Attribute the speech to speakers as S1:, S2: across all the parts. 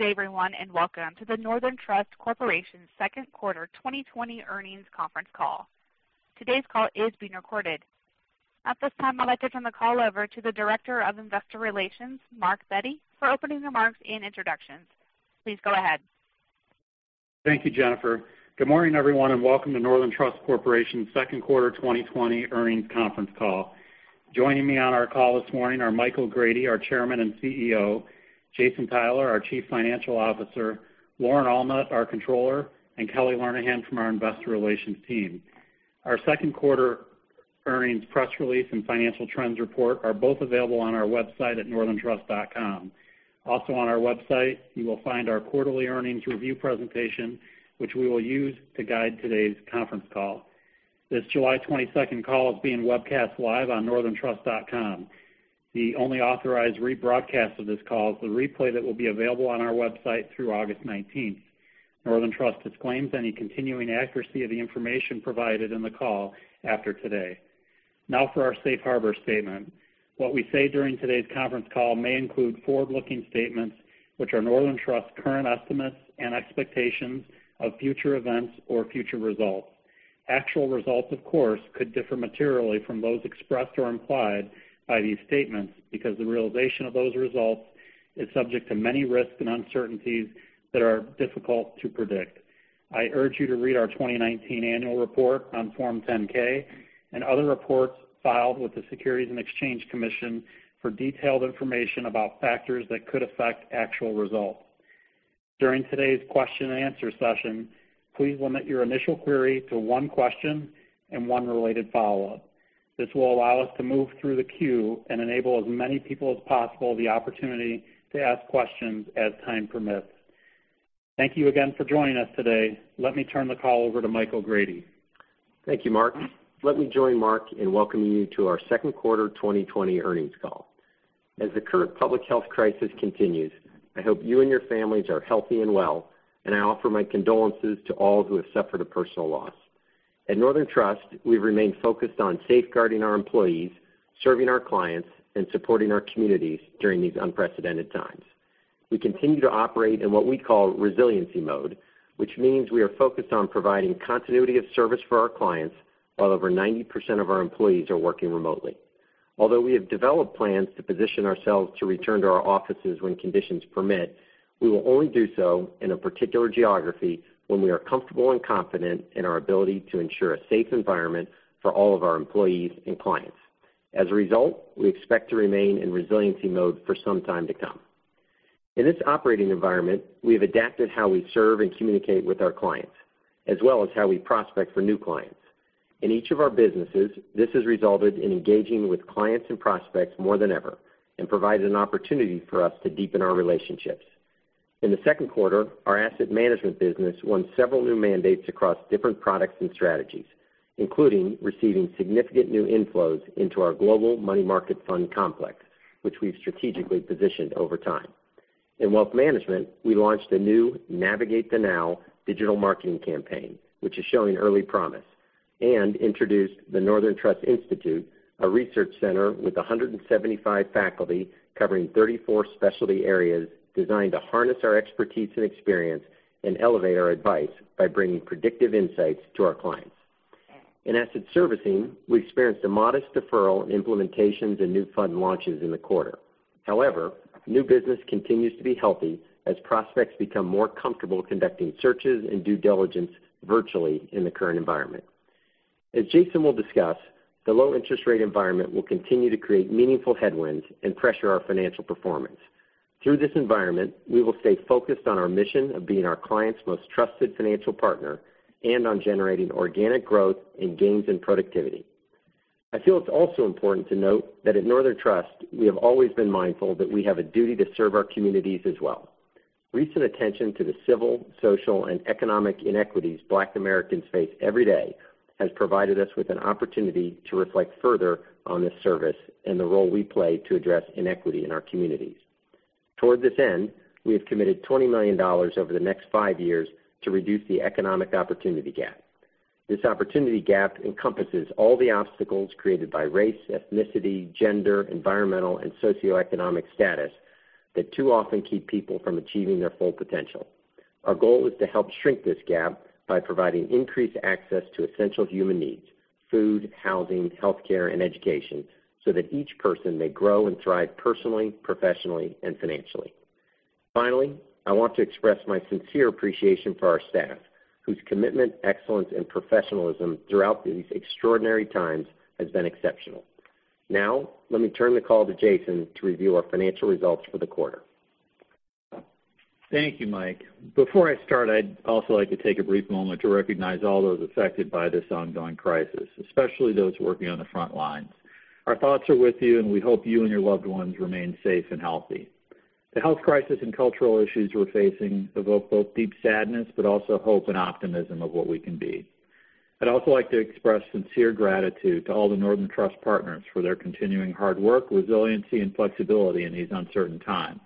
S1: Good day, everyone, and welcome to the Northern Trust Corporation second quarter twenty twenty earnings conference call. Today's call is being recorded. At this time, I'd like to turn the call over to the Director of Investor Relations, Mark Bette, for opening remarks and introductions. Please go ahead.
S2: Thank you, Jennifer. Good morning, everyone, and welcome to Northern Trust Corporation second quarter twenty twenty earnings conference call. Joining me on our call this morning are Michael O'Grady, our Chairman and CEO, Jason Tyler, our Chief Financial Officer, Lauren Allnutt, our Controller, and Kelly Lernihan from our Investor Relations team. Our second quarter earnings press release and financial trends report are both available on our website at northerntrust.com. Also on our website, you will find our quarterly earnings review presentation, which we will use to guide today's conference call. This July twenty-second call is being webcast live on northerntrust.com. The only authorized rebroadcast of this call is the replay that will be available on our website through August nineteenth. Northern Trust disclaims any continuing accuracy of the information provided in the call after today. Now for our safe harbor statement. What we say during today's conference call may include forward-looking statements, which are Northern Trust's current estimates and expectations of future events or future results. Actual results, of course, could differ materially from those expressed or implied by these statements because the realization of those results is subject to many risks and uncertainties that are difficult to predict. I urge you to read our twenty nineteen annual report on Form 10-K and other reports filed with the Securities and Exchange Commission for detailed information about factors that could affect actual results. During today's question and answer session, please limit your initial query to one question and one related follow-up. This will allow us to move through the queue and enable as many people as possible the opportunity to ask questions as time permits. Thank you again for joining us today. Let me turn the call over to Michael O'Grady.
S3: Thank you, Mark. Let me join Mark in welcoming you to our second quarter twenty twenty earnings call. As the current public health crisis continues, I hope you and your families are healthy and well, and I offer my condolences to all who have suffered a personal loss. At Northern Trust, we've remained focused on safeguarding our employees, serving our clients, and supporting our communities during these unprecedented times. We continue to operate in what we call Resiliency Mode, which means we are focused on providing continuity of service for our clients, while over 90% of our employees are working remotely. Although we have developed plans to position ourselves to return to our offices when conditions permit, we will only do so in a particular geography when we are comfortable and confident in our ability to ensure a safe environment for all of our employees and clients. As a result, we expect to remain in resiliency mode for some time to come. In this operating environment, we have adapted how we serve and communicate with our clients, as well as how we prospect for new clients. In each of our businesses, this has resulted in engaging with clients and prospects more than ever and provided an opportunity for us to deepen our relationships. In the second quarter, our asset management business won several new mandates across different products and strategies, including receiving significant new inflows into our global money market fund complex, which we've strategically positioned over time. In wealth management, we launched a new Navigate the Now digital marketing campaign, which is showing early promise, and introduced the Northern Trust Institute, a research center with 175 faculty covering 34 specialty areas designed to harness our expertise and experience and elevate our advice by bringing predictive insights to our clients. In asset servicing, we experienced a modest deferral in implementations and new fund launches in the quarter. However, new business continues to be healthy as prospects become more comfortable conducting searches and due diligence virtually in the current environment. As Jason will discuss, the low interest rate environment will continue to create meaningful headwinds and pressure our financial performance. Through this environment, we will stay focused on our mission of being our clients' most trusted financial partner and on generating organic growth and gains in productivity. I feel it's also important to note that at Northern Trust, we have always been mindful that we have a duty to serve our communities as well. Recent attention to the civil, social, and economic inequities Black Americans face every day has provided us with an opportunity to reflect further on this service and the role we play to address inequity in our communities. Toward this end, we have committed $20 million over the next five years to reduce the economic opportunity gap. This opportunity gap encompasses all the obstacles created by race, ethnicity, gender, environmental, and socioeconomic status that too often keep people from achieving their full potential. Our goal is to help shrink this gap by providing increased access to essential human needs: food, housing, healthcare, and education, so that each person may grow and thrive personally, professionally, and financially. Finally, I want to express my sincere appreciation for our staff, whose commitment, excellence, and professionalism throughout these extraordinary times has been exceptional. Now, let me turn the call to Jason to review our financial results for the quarter.
S2: Thank you, Mike. Before I start, I'd also like to take a brief moment to recognize all those affected by this ongoing crisis, especially those working on the front lines. Our thoughts are with you, and we hope you and your loved ones remain safe and healthy. The health crisis and cultural issues we're facing evoke both deep sadness, but also hope and optimism of what we can be. I'd also like to express sincere gratitude to all the Northern Trust partners for their continuing hard work, resiliency, and flexibility in these uncertain times.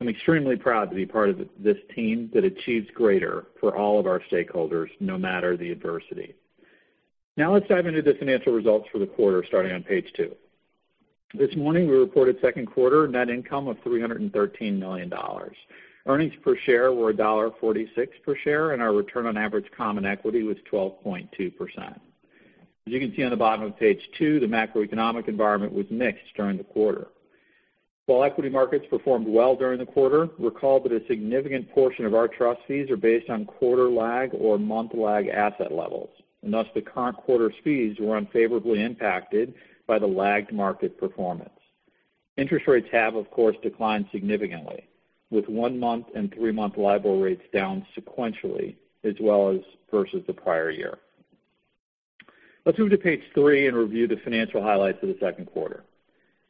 S2: I'm extremely proud to be part of this team that achieves greater for all of our stakeholders, no matter the adversity. Now, let's dive into the financial results for the quarter, starting on page two....
S4: This morning, we reported second quarter net income of $313 million. Earnings per share were $1.46 per share, and our return on average common equity was 12.2%. As you can see on the bottom of page two, the macroeconomic environment was mixed during the quarter. While equity markets performed well during the quarter, recall that a significant portion of our trust fees are based on quarter lag or month lag asset levels, and thus, the current quarter's fees were unfavorably impacted by the lagged market performance. Interest rates have, of course, declined significantly, with 1-month and 3-month LIBOR rates down sequentially as well as versus the prior year. Let's move to page three and review the financial highlights of the second quarter.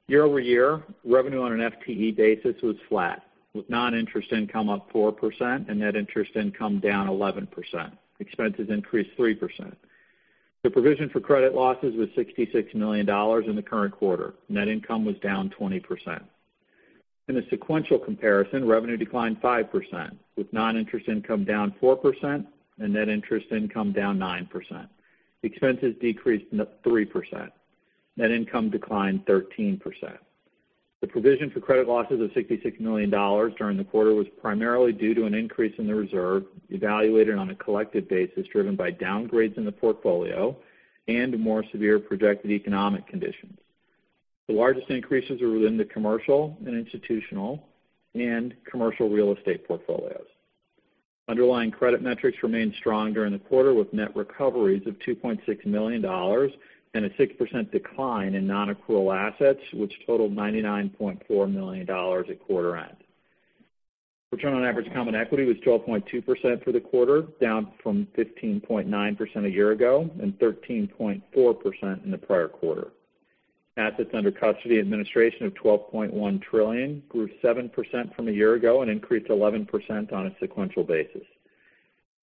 S4: Year-over-year, revenue on an FTE basis was flat, with non-interest income up 4% and net interest income down 11%. Expenses increased 3%. The provision for credit losses was $66 million in the current quarter. Net income was down 20%. In a sequential comparison, revenue declined 5%, with non-interest income down 4% and net interest income down 9%. Expenses decreased three percent. Net income declined 13%. The provision for credit losses of $66 million during the quarter was primarily due to an increase in the reserve, evaluated on a collective basis, driven by downgrades in the portfolio and more severe projected economic conditions. The largest increases are within the commercial and institutional and commercial real estate portfolios. Underlying credit metrics remained strong during the quarter, with net recoveries of $2.6 million and a 6% decline in non-accrual assets, which totaled $99.4 million at quarter end. Return on average common equity was 12.2% for the quarter, down from 15.9% a year ago and 13.4% in the prior quarter. Assets under custody administration of $12.1 trillion grew 7% from a year ago and increased 11% on a sequential basis.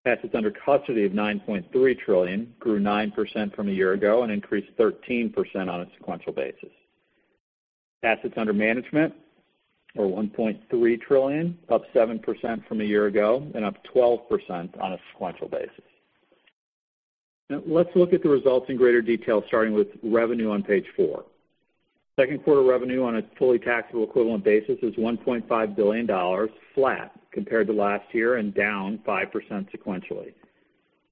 S4: Assets under custody of $9.3 trillion grew 9% from a year ago and increased 13% on a sequential basis. Assets under management are $1.3 trillion, up 7% from a year ago and up 12% on a sequential basis. Now, let's look at the results in greater detail, starting with revenue on page four. Second quarter revenue on a fully taxable equivalent basis is $1.5 billion, flat compared to last year and down 5% sequentially.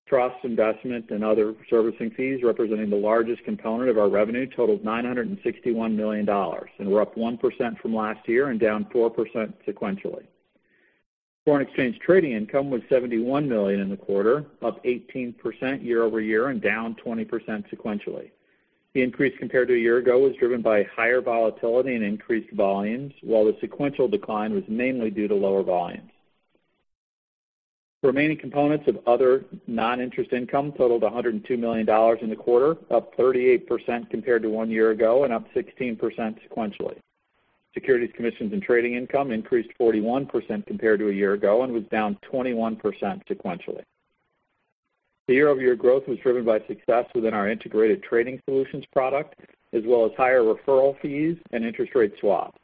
S4: Trust, investment, and other servicing fees, representing the largest component of our revenue, totaled $961 million, and were up 1% from last year and down 4% sequentially. Foreign exchange trading income was $71 million in the quarter, up 18% year-over-year and down 20% sequentially. The increase compared to a year ago was driven by higher volatility and increased volumes, while the sequential decline was mainly due to lower volumes. Remaining components of other non-interest income totaled $102 million in the quarter, up 38% compared to one year ago and up 16% sequentially. Securities, commissions, and trading income increased 41% compared to a year ago and was down 21% sequentially. The year-over-year growth was driven by success within our Integrated Trading Solutions product, as well as higher referral fees and interest rate swap.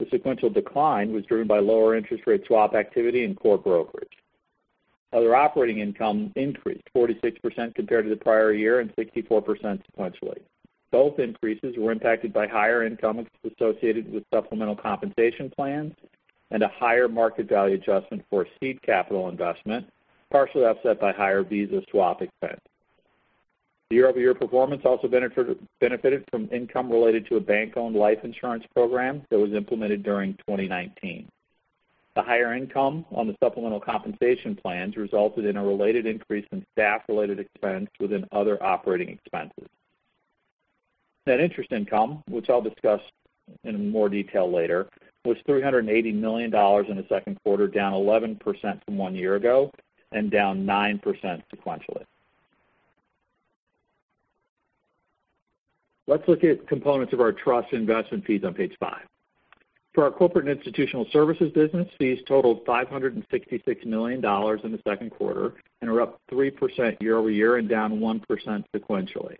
S4: The sequential decline was driven by lower interest rate swap activity and core brokerage. Other operating income increased 46% compared to the prior year and 64% sequentially. Both increases were impacted by higher income associated with supplemental compensation plans and a higher market value adjustment for a seed capital investment, partially offset by higher Visa swap expense. The year-over-year performance also benefited from income related to a bank-owned life insurance program that was implemented during 2019. The higher income on the supplemental compensation plans resulted in a related increase in staff-related expense within other operating expenses. Net interest income, which I'll discuss in more detail later, was $380 million in the second quarter, down 11% from one year ago and down 9% sequentially. Let's look at components of our trust investment fees on page five. For our corporate and institutional services business, fees totaled $566 million in the second quarter and are up 3% year-over-year and down 1% sequentially.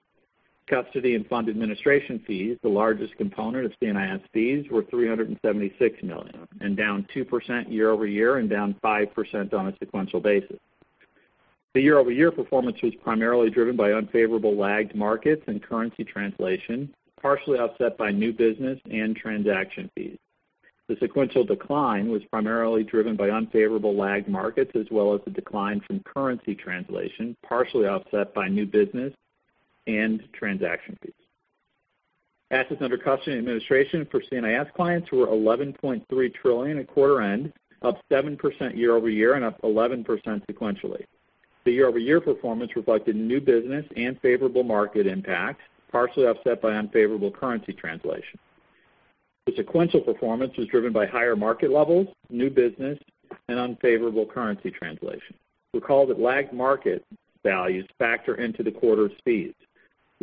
S4: Custody and fund administration fees, the largest component of CNIS fees, were $376 million, and down 2% year-over-year and down 5% on a sequential basis. The year-over-year performance was primarily driven by unfavorable lagged markets and currency translation, partially offset by new business and transaction fees. The sequential decline was primarily driven by unfavorable lagged markets, as well as the decline from currency translation, partially offset by new business and transaction fees. Assets under custody and administration for CNIS clients were 11.3 trillion at quarter end, up 7% year-over-year and up 11% sequentially. The year-over-year performance reflected new business and favorable market impacts, partially offset by unfavorable currency translation. The sequential performance was driven by higher market levels, new business, and unfavorable currency translation. Recall that lagged market values factor into the quarter's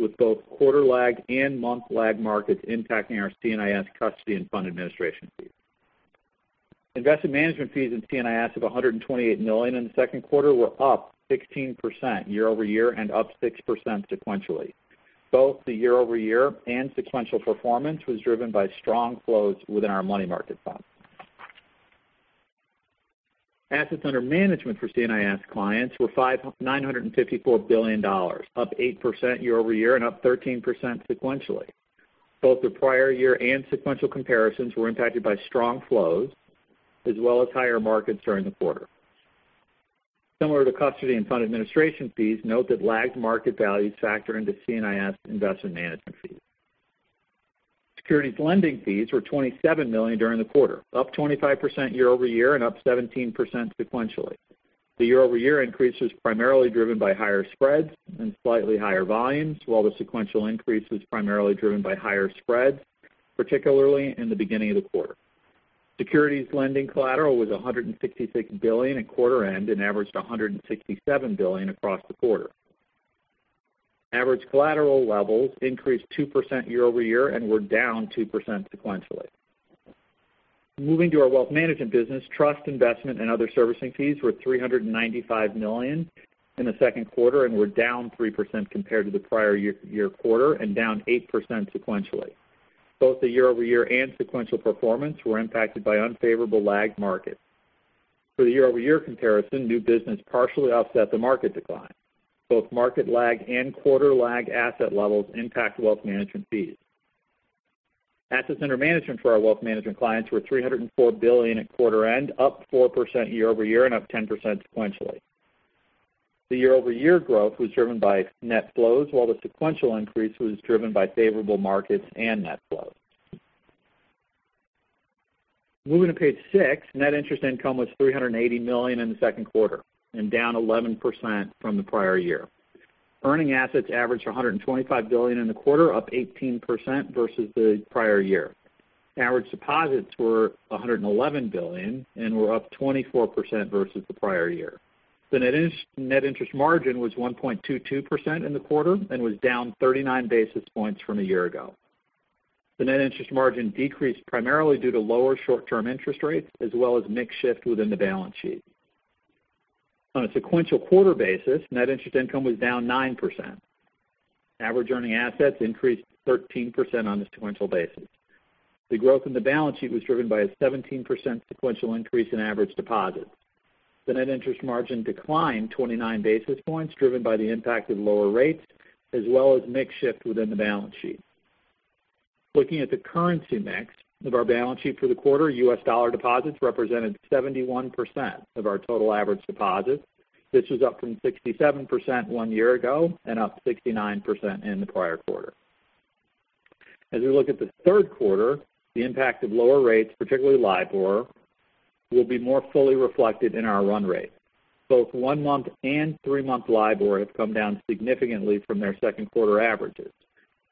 S4: fees, with both quarter lag and month lag markets impacting our CNIS custody and fund administration fees. Investment management fees in CNIS of 128 million in the second quarter were up 16% year-over-year and up 6% sequentially. Both the year-over-year and sequential performance was driven by strong flows within our money market fund.... Assets under management for CNIS clients were $954 billion, up 8% year-over-year and up 13% sequentially. Both the prior year and sequential comparisons were impacted by strong flows, as well as higher markets during the quarter. Similar to custody and fund administration fees, note that lagged market values factor into CNIS investment management fees. Securities lending fees were $27 million during the quarter, up 25% year-over-year and up 17% sequentially. The year-over-year increase was primarily driven by higher spreads and slightly higher volumes, while the sequential increase was primarily driven by higher spreads, particularly in the beginning of the quarter. Securities lending collateral was $166 billion at quarter end, and averaged $167 billion across the quarter. Average collateral levels increased 2% year-over-year and were down 2% sequentially. Moving to our wealth management business, trust, investment, and other servicing fees were $395 million in the second quarter, and were down 3% compared to the prior year-over-year quarter, and down 8% sequentially. Both the year-over-year and sequential performance were impacted by unfavorable lagged markets. For the year-over-year comparison, new business partially offset the market decline. Both market lag and quarter lag asset levels impact wealth management fees. Assets under management for our wealth management clients were $304 billion at quarter end, up 4% year-over-year and up 10% sequentially. The year-over-year growth was driven by net flows, while the sequential increase was driven by favorable markets and net flows. Moving to page six. Net interest income was $380 million in the second quarter, and down 11% from the prior year. Earning assets averaged $125 billion in the quarter, up 18% versus the prior year. Average deposits were $111 billion, and were up 24% versus the prior year. The net interest margin was 1.22% in the quarter and was down 39 basis points from a year ago. The net interest margin decreased primarily due to lower short-term interest rates, as well as mix shift within the balance sheet. On a sequential quarter basis, net interest income was down 9%. Average earning assets increased 13% on a sequential basis. The growth in the balance sheet was driven by a 17% sequential increase in average deposits. The net interest margin declined 29 basis points, driven by the impact of lower rates, as well as mix shift within the balance sheet. Looking at the currency mix of our balance sheet for the quarter, U.S. dollar deposits represented 71% of our total average deposits. This was up from 67% one year ago and up 69% in the prior quarter. As we look at the third quarter, the impact of lower rates, particularly LIBOR, will be more fully reflected in our run rate. Both one-month and three-month LIBOR have come down significantly from their second quarter averages.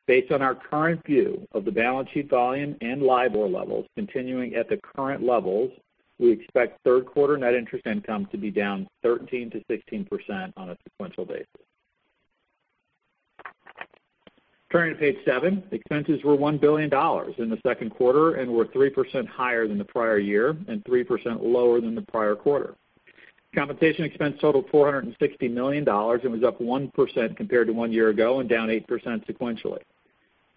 S4: Based on our current view of the balance sheet volume and LIBOR levels continuing at the current levels, we expect third quarter net interest income to be down 13% to 16% on a sequential basis. Turning to page seven. Expenses were $1 billion in the second quarter, and were 3% higher than the prior year and 3% lower than the prior quarter. Compensation expense totaled $460 million and was up 1% compared to one year ago, and down 8% sequentially.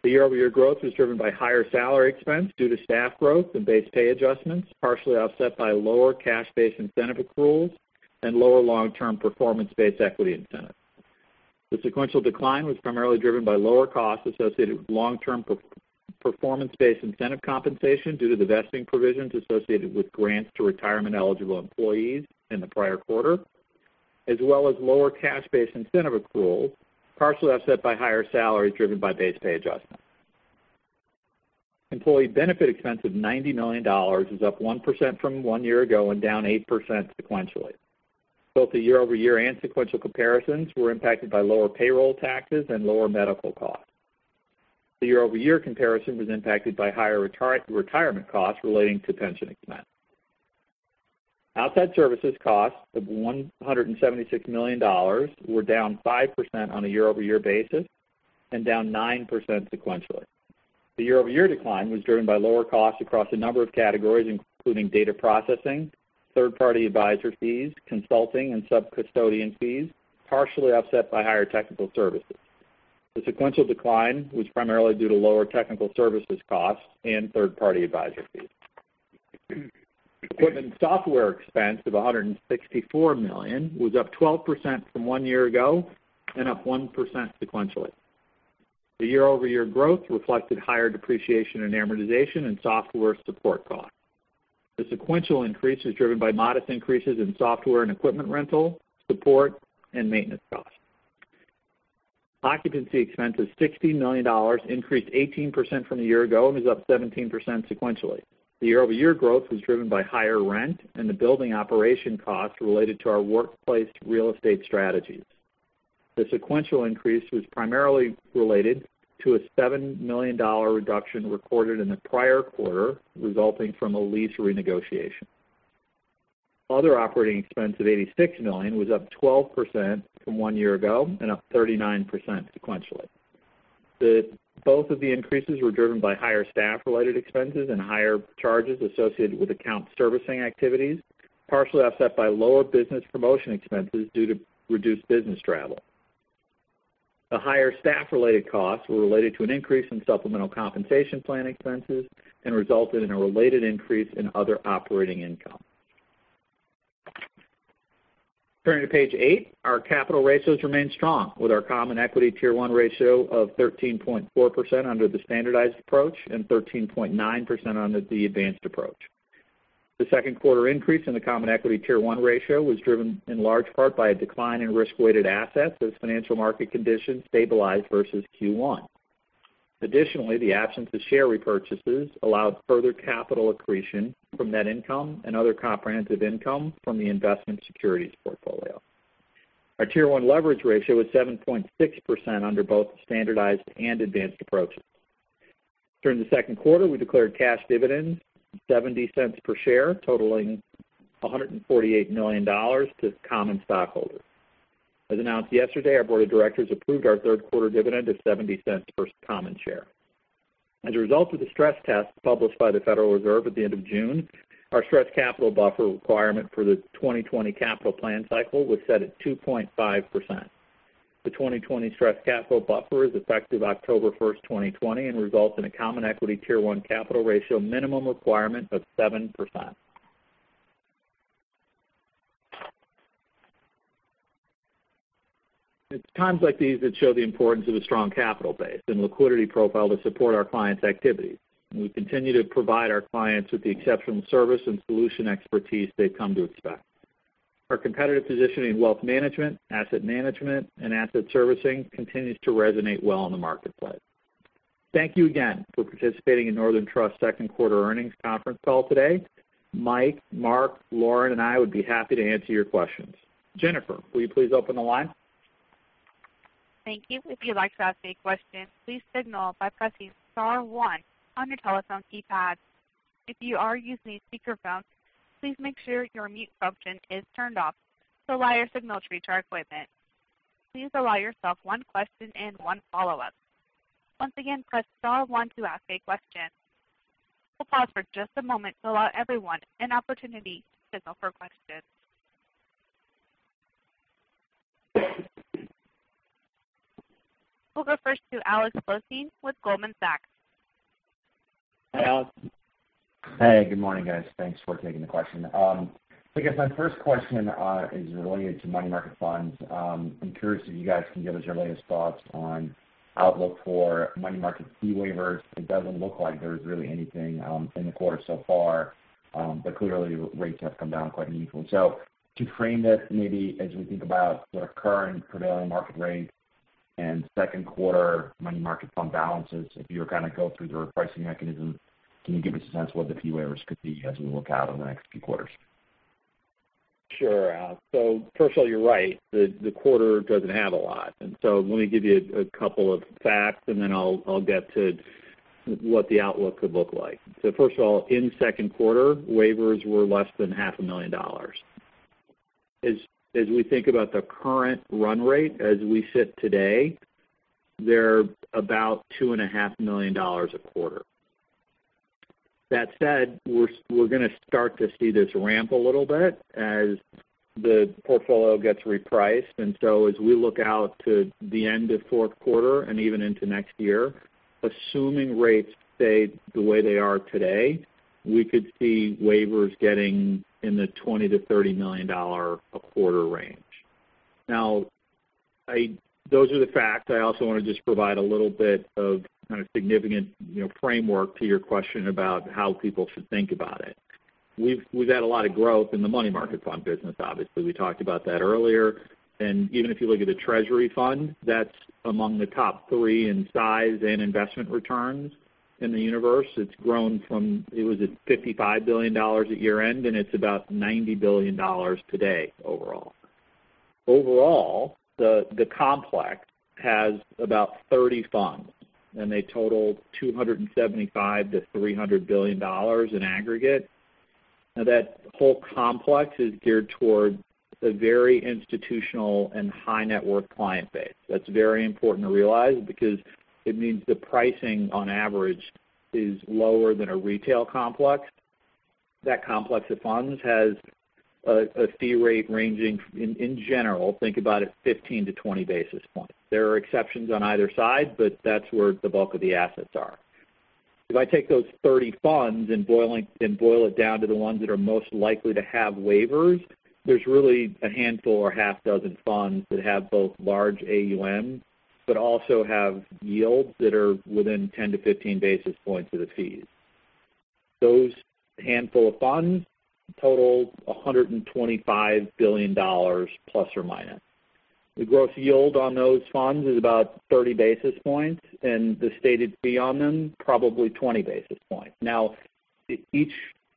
S4: The year-over-year growth was driven by higher salary expense due to staff growth and base pay adjustments, partially offset by lower cash-based incentive accruals and lower long-term performance-based equity incentive. The sequential decline was primarily driven by lower costs associated with long-term performance-based incentive compensation, due to the vesting provisions associated with grants to retirement-eligible employees in the prior quarter, as well as lower cash-based incentive accrual, partially offset by higher salaries driven by base pay adjustments. Employee benefit expense of $90 million is up 1% from one year ago and down 8% sequentially. Both the year-over-year and sequential comparisons were impacted by lower payroll taxes and lower medical costs. The year-over-year comparison was impacted by higher retirement costs relating to pension expense. Outside services costs of $176 million were down 5% on a year-over-year basis, and down 9% sequentially. The year-over-year decline was driven by lower costs across a number of categories, including data processing, third-party advisor fees, consulting, and sub-custodian fees, partially offset by higher technical services. The sequential decline was primarily due to lower technical services costs and third-party advisory fees. Equipment software expense of $164 million was up 12% from one year ago and up 1% sequentially. The year-over-year growth reflected higher depreciation and amortization in software support costs. The sequential increase is driven by modest increases in software and equipment rental, support, and maintenance costs. Occupancy expenses, $60 million, increased 18% from a year ago and was up 17% sequentially. The year-over-year growth was driven by higher rent and the building operation costs related to our workplace real estate strategies. The sequential increase was primarily related to a $7 million reduction recorded in the prior quarter, resulting from a lease renegotiation. Other operating expense of $86 million was up 12% from one year ago and up 39% sequentially. The both of the increases were driven by higher staff-related expenses and higher charges associated with account servicing activities, partially offset by lower business promotion expenses due to reduced business travel. The higher staff-related costs were related to an increase in supplemental compensation plan expenses and resulted in a related increase in other operating income. Turning to page eight. Our capital ratios remain strong, with our Common Equity Tier 1 ratio of 13.4% under the standardized approach and 13.9% under the advanced approach. The second quarter increase in the Common Equity Tier 1 ratio was driven in large part by a decline in risk-weighted assets as financial market conditions stabilized versus Q1. Additionally, the absence of share repurchases allowed further capital accretion from net income and other comprehensive income from the investment securities portfolio. Our Tier 1 leverage ratio was 7.6% under both the standardized and advanced approaches. During the second quarter, we declared cash dividends, $0.70 per share, totaling $148 million to common stockholders. As announced yesterday, our board of directors approved our third quarter dividend of $0.70 per common share. As a result of the stress test published by the Federal Reserve at the end of June, our Stress Capital Buffer requirement for the 2020 capital plan cycle was set at 2.5%. The twenty twenty stress capital buffer is effective October first, twenty twenty, and results in a Common Equity Tier 1 capital ratio minimum requirement of 7%. It's times like these that show the importance of a strong capital base and liquidity profile to support our clients' activities. And we continue to provide our clients with the exceptional service and solution expertise they've come to expect. Our competitive positioning in wealth management, asset management, and asset servicing continues to resonate well in the marketplace. Thank you again for participating in Northern Trust second quarter earnings conference call today. Mike, Mark, Lauren, and I would be happy to answer your questions. Jennifer, will you please open the line?
S1: Thank you. If you'd like to ask a question, please signal by pressing star one on your telephone keypad. If you are using a speakerphone, please make sure your mute function is turned off to allow your signal to reach our equipment. Please allow yourself one question and one follow-up. Once again, press star one to ask a question. We'll pause for just a moment to allow everyone an opportunity to signal for questions. We'll go first to Alex Blostein with Goldman Sachs.
S4: Hi, Alex.
S5: Hey, good morning, guys. Thanks for taking the question. I guess my first question is related to money market funds. I'm curious if you guys can give us your latest thoughts on outlook for money market fee waivers. It doesn't look like there's really anything in the quarter so far, but clearly rates have come down quite a meaningful. So to frame this, maybe as we think about the current prevailing market rate and second quarter money market fund balances, if you were kind of go through the repricing mechanism, can you give us a sense of what the fee waivers could be as we look out over the next few quarters?
S4: Sure, Alex. So first of all, you're right, the quarter doesn't have a lot. And so let me give you a couple of facts, and then I'll get to what the outlook could look like. So first of all, in second quarter, waivers were less than $500,000. As we think about the current run rate as we sit today, they're about $2.5 million a quarter. That said, we're going to start to see this ramp a little bit as the portfolio gets repriced. And so as we look out to the end of fourth quarter and even into next year, assuming rates stay the way they are today, we could see waivers getting in the $20-$30 million a quarter range. Now, those are the facts. I also want to just provide a little bit of kind of significant, you know, framework to your question about how people should think about it. We've had a lot of growth in the money market fund business. Obviously, we talked about that earlier. And even if you look at the treasury fund, that's among the top three in size and investment returns in the universe. It's grown from, it was at $55 billion at year-end, and it's about $90 billion today, overall. Overall, the complex has about 30 funds, and they total $275-$300 billion in aggregate. Now, that whole complex is geared toward a very institutional and high net worth client base. That's very important to realize because it means the pricing on average is lower than a retail complex. That complex of funds has a fee rate ranging, in general, think about it, 15-20 basis points. There are exceptions on either side, but that's where the bulk of the assets are. If I take those 30 funds and boil it down to the ones that are most likely to have waivers, there's really a handful or half dozen funds that have both large AUM, but also have yields that are within 10-15 basis points of the fees. Those handful of funds total $125 billion, plus or minus. The gross yield on those funds is about 30 basis points, and the stated fee on them, probably 20 basis points. Now, each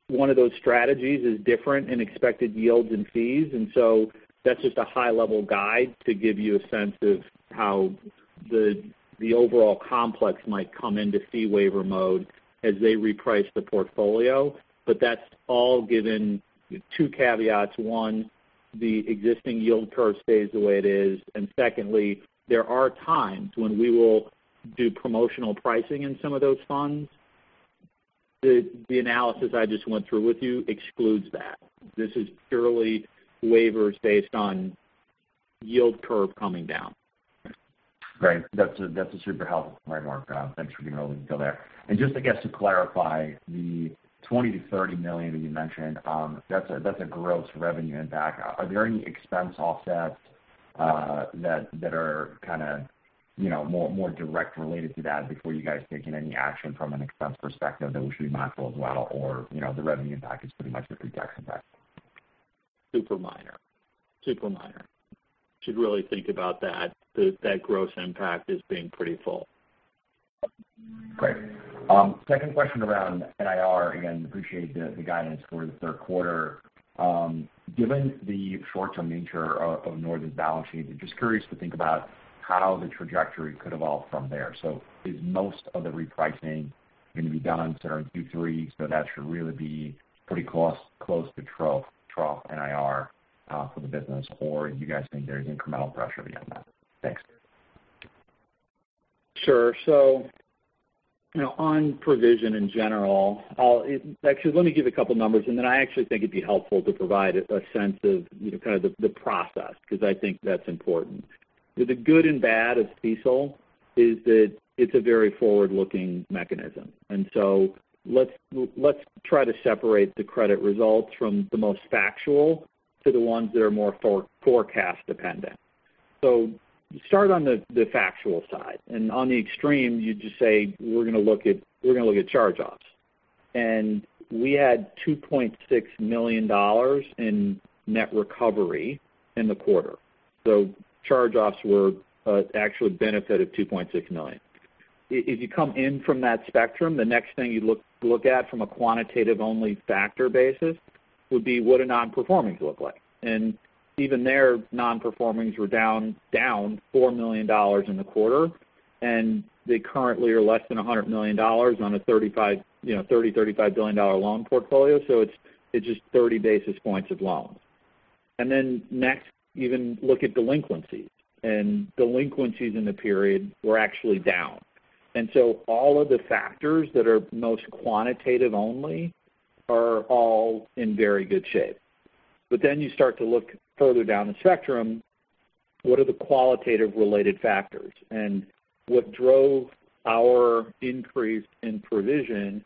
S4: one of those strategies is different in expected yields and fees, and so that's just a high-level guide to give you a sense of how the overall complex might come into fee waiver mode as they reprice the portfolio. But that's all given two caveats. One, the existing yield curve stays the way it is. And secondly, there are times when we will do promotional pricing in some of those funds... The analysis I just went through with you excludes that. This is purely waivers based on yield curve coming down.
S6: Great. That's a super helpful framework. Thanks for being able to go there. And just, I guess, to clarify, the $20-$30 million that you mentioned, that's a gross revenue impact. Are there any expense offsets that are kind of, you know, more direct related to that before you guys take any action from an expense perspective that we should be mindful as well? Or, you know, the revenue impact is pretty much the full tax impact.
S4: Super minor. Super minor. Should really think about that, that gross impact as being pretty full.
S6: Great. Second question around NIR. Again, appreciate the guidance for the third quarter. Given the short-term nature of Northern's balance sheet, I'm just curious to think about how the trajectory could evolve from there. So is most of the repricing going to be done in Q3, so that should really be pretty close to trough NIR for the business, or you guys think there's incremental pressure beyond that? Thanks.
S4: Sure. So, you know, on provision in general, I'll actually let me give a couple numbers, and then I actually think it'd be helpful to provide a sense of, you know, kind of the process, because I think that's important. The good and bad of CECL is that it's a very forward-looking mechanism. So let's try to separate the credit results from the most factual to the ones that are more forecast dependent. So start on the factual side, and on the extreme, you just say, we're going to look at charge-offs. And we had $2.6 million in net recovery in the quarter. So charge-offs were actually benefited $2.6 million. If you come in from that spectrum, the next thing you look at from a quantitative-only factor basis would be, what do non-performings look like? And even there, non-performings were down $4 million in the quarter, and they currently are less than $100 million on a $35 billion dollar loan portfolio. So it's just 30 basis points of loans. And then next, even look at delinquencies. And delinquencies in the period were actually down. And so all of the factors that are most quantitative only are all in very good shape. But then you start to look further down the spectrum, what are the qualitative related factors? And what drove our increase in provision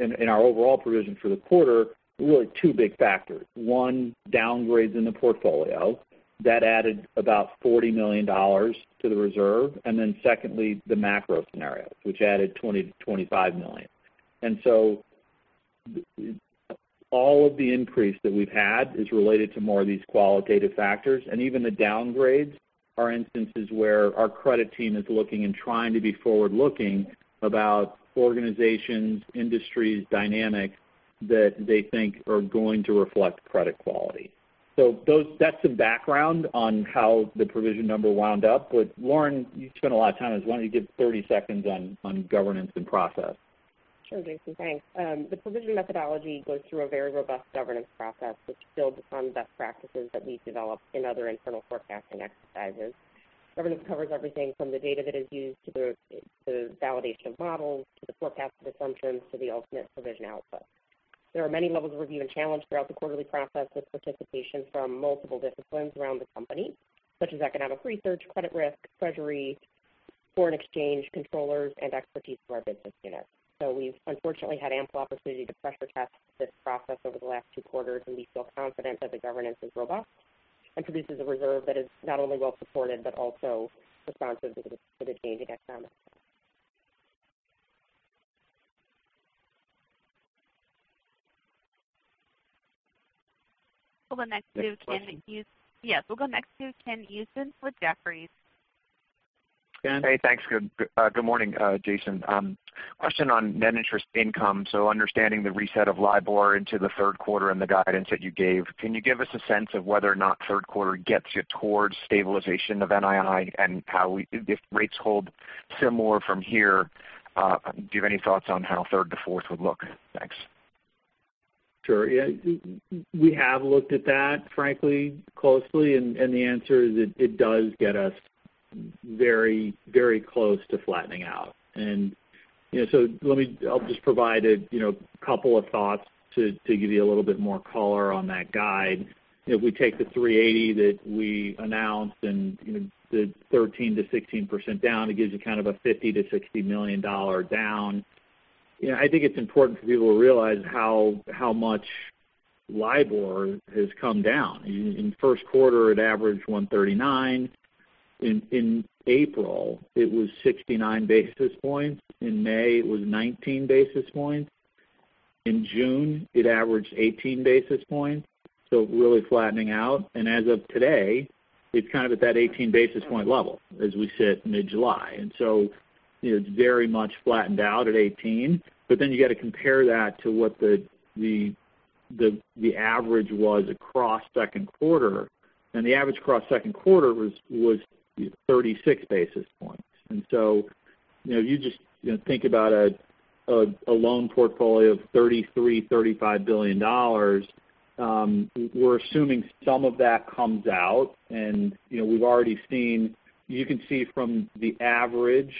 S4: and our overall provision for the quarter were two big factors. One, downgrades in the portfolio. That added about $40 million to the reserve. And then secondly, the macro scenario, which added $20-$25 million. And so all of the increase that we've had is related to more of these qualitative factors, and even the downgrades are instances where our credit team is looking and trying to be forward-looking about organizations, industries, dynamics that they think are going to reflect credit quality. So that's the background on how the provision number wound up. But Lauren, you spent a lot of time on this. Why don't you give thirty seconds on governance and process?
S7: Sure, Jason, thanks. The provision methodology goes through a very robust governance process, which builds on best practices that we've developed in other internal forecasting exercises. Governance covers everything from the data that is used, to the validation of models, to the forecasted assumptions, to the ultimate provision output. There are many levels of review and challenge throughout the quarterly process, with participation from multiple disciplines around the company, such as economic research, credit risk, treasury, foreign exchange, controllers, and expertise through our business units. So we've unfortunately had ample opportunity to pressure test this process over the last two quarters, and we feel confident that the governance is robust and produces a reserve that is not only well supported, but also responsive to the changing economics.
S1: We'll go next to Ken-
S4: Next question.
S1: Yes, we'll go next to Ken Usdin with Jefferies.
S4: Ken?
S8: Hey, thanks. Good morning, Jason. Question on net interest income. So understanding the reset of LIBOR into the third quarter and the guidance that you gave, can you give us a sense of whether or not third quarter gets you towards stabilization of NII? And if rates hold similar from here, do you have any thoughts on how third to fourth would look? Thanks.
S4: Sure. Yeah, we have looked at that, frankly, closely, and the answer is it does get us very, very close to flattening out. You know, so let me. I'll just provide a, you know, couple of thoughts to give you a little bit more color on that guide. If we take the 3.80 that we announced and, you know, the 13%-16% down, it gives you kind of a $50-$60 million down. You know, I think it's important for people to realize how much LIBOR has come down. In first quarter, it averaged 1.39. In April, it was 69 basis points. In May, it was 19 basis points. In June, it averaged 18 basis points, so really flattening out. As of today, it's kind of at that 18 basis point level, as we sit mid-July. So, you know, it's very much flattened out at 18. But then you got to compare that to what the average was across second quarter, and the average across second quarter was 36 basis points. So, you know, you just, you know, think about a loan portfolio of $33-$35 billion. We're assuming some of that comes out, and, you know, we've already seen you can see from the average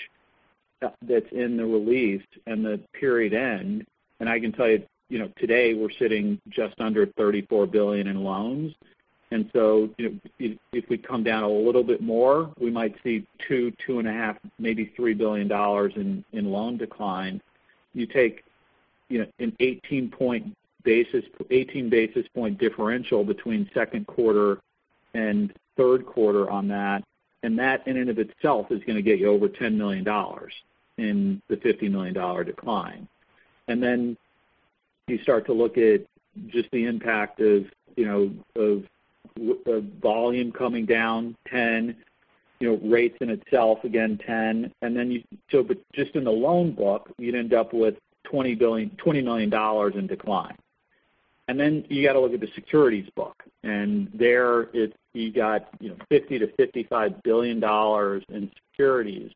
S4: that's in the release and the period end, and I can tell you, you know, today, we're sitting just under $34 billion in loans. And so, you know, if we come down a little bit more, we might see $2, $2.5, maybe $3 billion in loan decline. You take, you know, an 18 basis point differential between second quarter and third quarter on that, and that in and of itself is gonna get you over $10 million in the $50 million decline. And then you start to look at just the impact of, you know, volume coming down ten, you know, rates in itself, again, ten, and then you, so, but just in the loan book, you'd end up with $20 billion-$20 million in decline. And then you got to look at the securities book, and you got, you know, $50-$55 billion in securities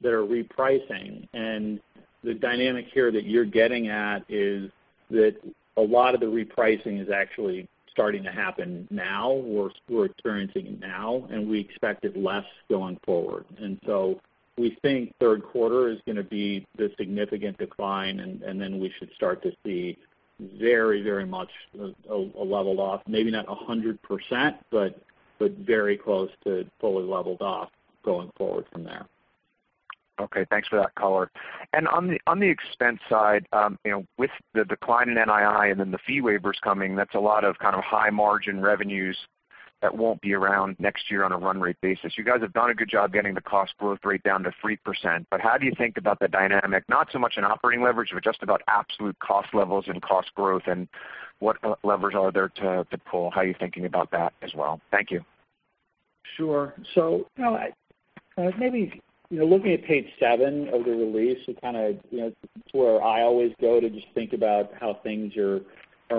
S4: that are repricing. And the dynamic here that you're getting at is that a lot of the repricing is actually starting to happen now. We're experiencing it now, and we expect it less going forward. And so we think third quarter is gonna be the significant decline, and then we should start to see very, very much a leveled off, maybe not 100%, but very close to fully leveled off going forward from there.
S6: Okay, thanks for that color. And on the expense side, you know, with the decline in NII and then the fee waivers coming, that's a lot of kind of high margin revenues that won't be around next year on a run rate basis. You guys have done a good job getting the cost growth rate down to 3%. But how do you think about the dynamic, not so much in operating leverage, but just about absolute cost levels and cost growth, and what levers are there to pull? How are you thinking about that as well? Thank you.
S4: Sure. So, you know, I maybe, you know, looking at page seven of the release is kind of, you know, to where I always go to just think about how things are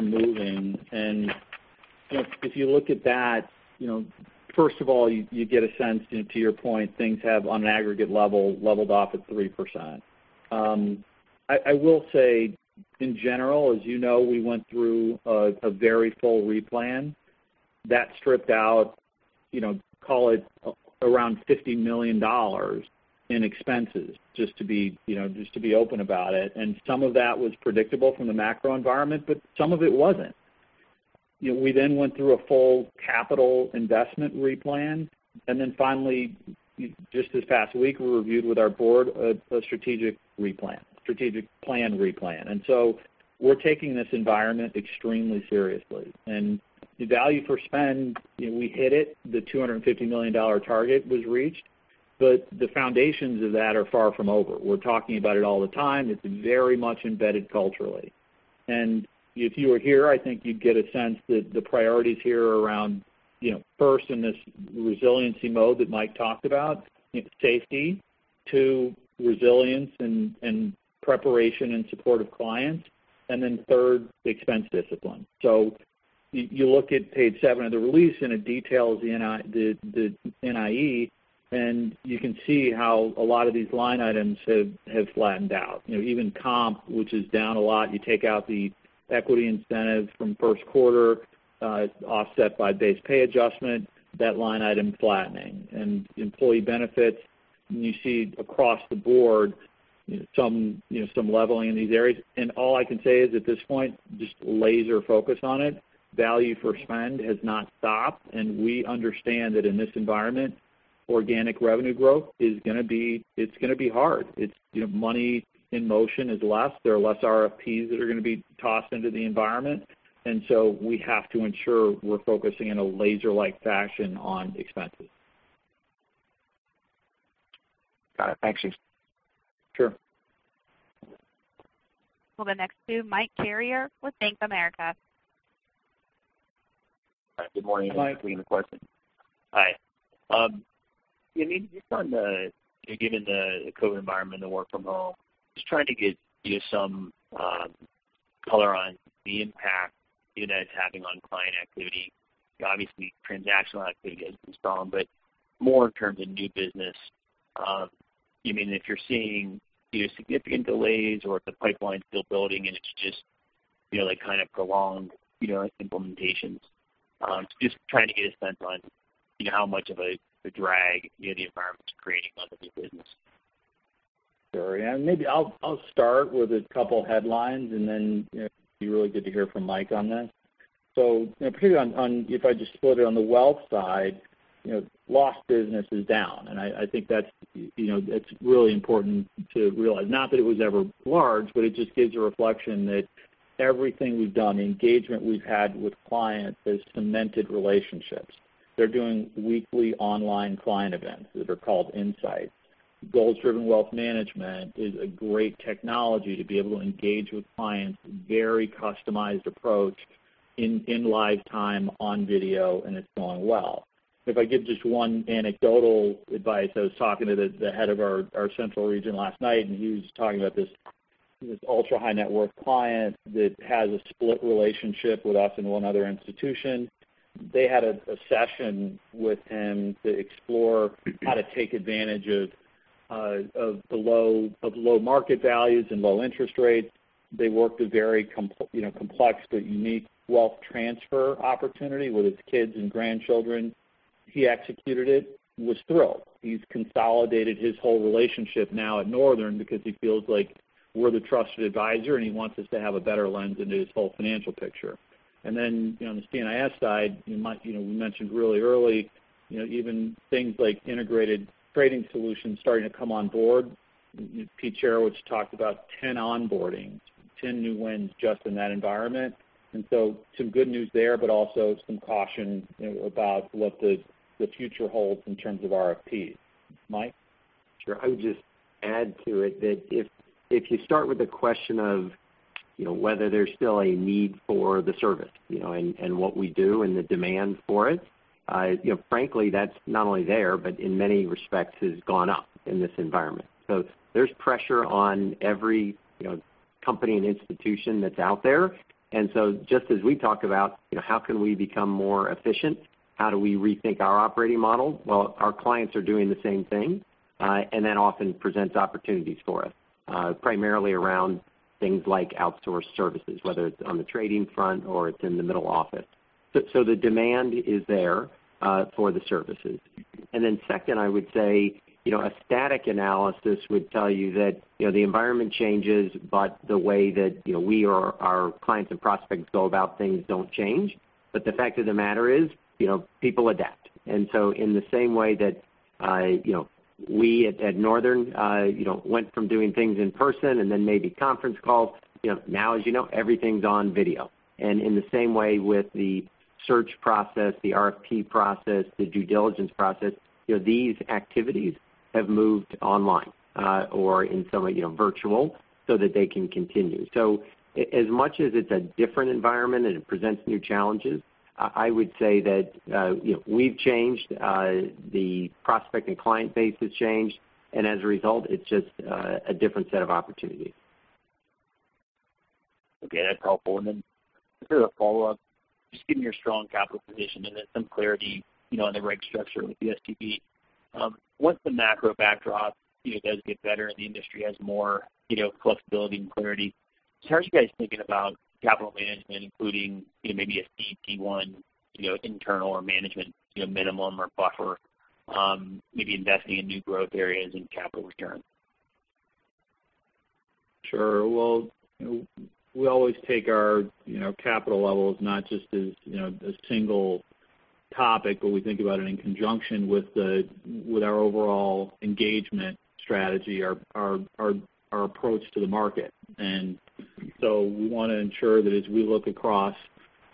S4: moving. And, you know, if you look at that, you know, first of all, you get a sense, and to your point, things have, on an aggregate level, leveled off at 3%. I will say, in general, as you know, we went through a very full replan that stripped out, you know, call it, around $50 million in expenses, just to be, you know, just to be open about it. And some of that was predictable from the macro environment, but some of it wasn't. You know, we then went through a full capital investment replan, and then finally, just this past week, we reviewed with our board a strategic plan replan. So we're taking this environment extremely seriously. The Value for Spend, you know, we hit it. The $250 million target was reached, but the foundations of that are far from over. We're talking about it all the time. It's very much embedded culturally. If you were here, I think you'd get a sense that the priorities here are around, you know, first, in this Resiliency Mode that Mike talked about, you know, safety. Two, resilience and preparation and support of clients. Then third, expense discipline. So you look at page seven of the release, and it details the NII, the NIE, and you can see how a lot of these line items have flattened out. You know, even comp, which is down a lot, you take out the equity incentive from first quarter, offset by base pay adjustment, that line item flattening. And employee benefits, and you see across the board, some, you know, some leveling in these areas. And all I can say is, at this point, just laser focus on it. Value for Spend has not stopped, and we understand that in this environment, organic revenue growth is gonna be hard. It's, you know, money in motion is less. There are less RFPs that are gonna be tossed into the environment, and so we have to ensure we're focusing in a laser-like fashion on expenses.
S6: Got it. Thanks, Steve.
S4: Sure.
S1: The next to Mike Carrier with Bank of America.
S6: Hi, good morning.
S4: Mike. Thank you for the question. Hi. You know, just on the, you know, given the COVID environment and work from home, just trying to get, you know, some color on the impact, you know, that it's having on client activity. Obviously, transactional activity has been strong, but more in terms of new business, you know, if you're seeing either significant delays or if the pipeline's still building and it's just, you know, like, kind of prolonged, you know, implementations. So just trying to get a sense on, you know, how much of a drag, you know, the environment is creating on the new business. Sure. And maybe I'll start with a couple headlines, and then, you know, it'll be really good to hear from Mike on this. So, you know, particularly on if I just split it on the wealth side, you know, lost business is down, and I think that's, you know, that's really important to realize. Not that it was ever large, but it just gives a reflection that everything we've done, engagement we've had with clients, has cemented relationships. They're doing weekly online client events that are called Insights. Goals Driven Wealth Management is a great technology to be able to engage with clients, very customized approach in real time, on video, and it's going well. If I give just one anecdotal advice, I was talking to the head of our central region last night, and he was talking about this ultra-high net worth client that has a split relationship with us and one other institution. They had a session with him to explore how to take advantage of low market values and low interest rates. They worked a very complex but unique wealth transfer opportunity with his kids and grandchildren. He executed it, and was thrilled. He's consolidated his whole relationship now at Northern because he feels like we're the trusted advisor, and he wants us to have a better lens into his whole financial picture. And then, on the CNIS side, you might, you know, we mentioned really early, you know, even things like integrated trading solutions starting to come on board. Pete Cherecwich, which talked about 10 onboardings, 10 new wins just in that environment, and so some good news there, but also some caution, you know, about what the future holds in terms of RFPs. Mike?
S3: Sure. I would just add to it that if you start with the question of, you know, whether there's still a need for the service, you know, and what we do and the demand for it, you know, frankly, that's not only there, but in many respects has gone up in this environment. So there's pressure on every, you know, company and institution that's out there. And so just as we talk about, you know, how can we become more efficient? How do we rethink our operating model? Well, our clients are doing the same thing, and that often presents opportunities for us, primarily around things like outsourced services, whether it's on the trading front or it's in the middle office. So the demand is there, for the services. And then second, I would say, you know, a static analysis would tell you that, you know, the environment changes, but the way that, you know, we or our clients and prospects go about things don't change. But the fact of the matter is, you know, people adapt. And so in the same way that, you know, we at Northern, you know, went from doing things in person and then maybe conference calls, you know, now, as you know, everything's on video. And in the same way with the search process, the RFP process, the due diligence process, you know, these activities have moved online, or in some way, you know, virtual, so that they can continue. As much as it's a different environment and it presents new challenges, I would say that, you know, we've changed, the prospect and client base has changed, and as a result, it's just a different set of opportunities.
S6: Okay, that's helpful. And then just a follow-up, just given your strong capital position and then some clarity, you know, on the right structure with the SCB. Once the macro backdrop, you know, does get better and the industry has more, you know, flexibility and clarity, how are you guys thinking about capital management, including, you know, maybe a CET1, you know, internal or management, you know, minimum or buffer, maybe investing in new growth areas and capital return?
S4: Sure. Well, you know, we always take our, you know, capital levels, not just as, you know, a single topic, but we think about it in conjunction with our overall engagement strategy, our approach to the market. And so we want to ensure that as we look across,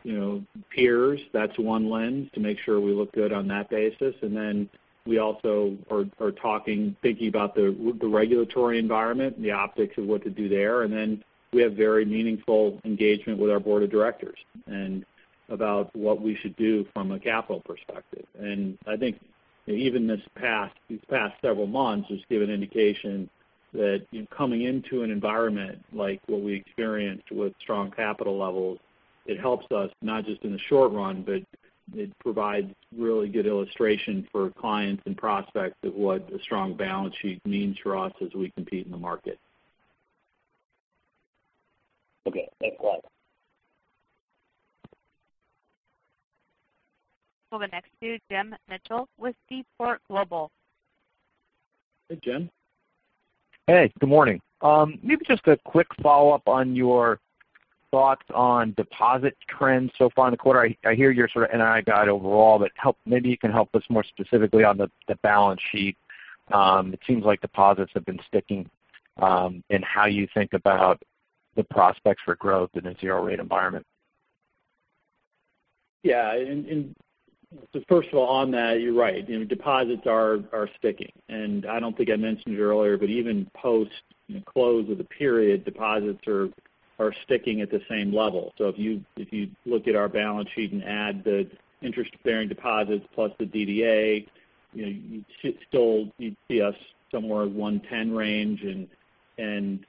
S4: you know, peers, that's one lens to make sure we look good on that basis. And then we also are talking, thinking about the regulatory environment and the optics of what to do there. And then we have very meaningful engagement with our board of directors, and about what we should do from a capital perspective. I think even this past, these past several months, has given indication that coming into an environment like what we experienced with strong capital levels, it helps us not just in the short run, but it provides really good illustration for clients and prospects of what a strong balance sheet means for us as we compete in the market.
S6: Okay, thanks a lot.
S1: We'll go next to Jim Mitchell with Seaport Global.
S4: Hey, Jim.
S9: Hey, good morning. Maybe just a quick follow-up on your thoughts on deposit trends so far in the quarter. I hear you're sort of NII guide overall, but maybe you can help us more specifically on the balance sheet. It seems like deposits have been sticking, and how you think about the prospects for growth in a zero rate environment.
S4: Yeah, and so first of all, on that, you're right. You know, deposits are sticking. And I don't think I mentioned it earlier, but even post the close of the period, deposits are sticking at the same level. So if you look at our balance sheet and add the interest-bearing deposits plus the DDA, you know, you should still- you'd see us somewhere in the $110 range, and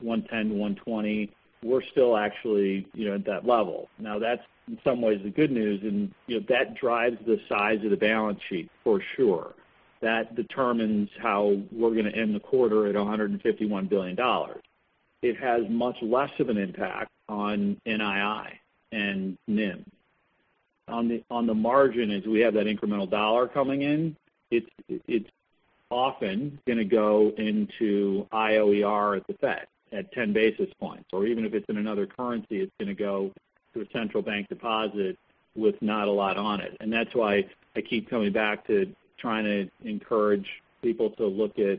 S4: $110-$120, we're still actually, you know, at that level. Now, that's in some ways the good news, and, you know, that drives the size of the balance sheet for sure. That determines how we're going to end the quarter at $151 billion. It has much less of an impact on NII and NIM. On the margin, as we have that incremental dollar coming in, it's often going to go into IOER at the Fed at ten basis points, or even if it's in another currency, it's going to go to a central bank deposit with not a lot on it. And that's why I keep coming back to trying to encourage people to look at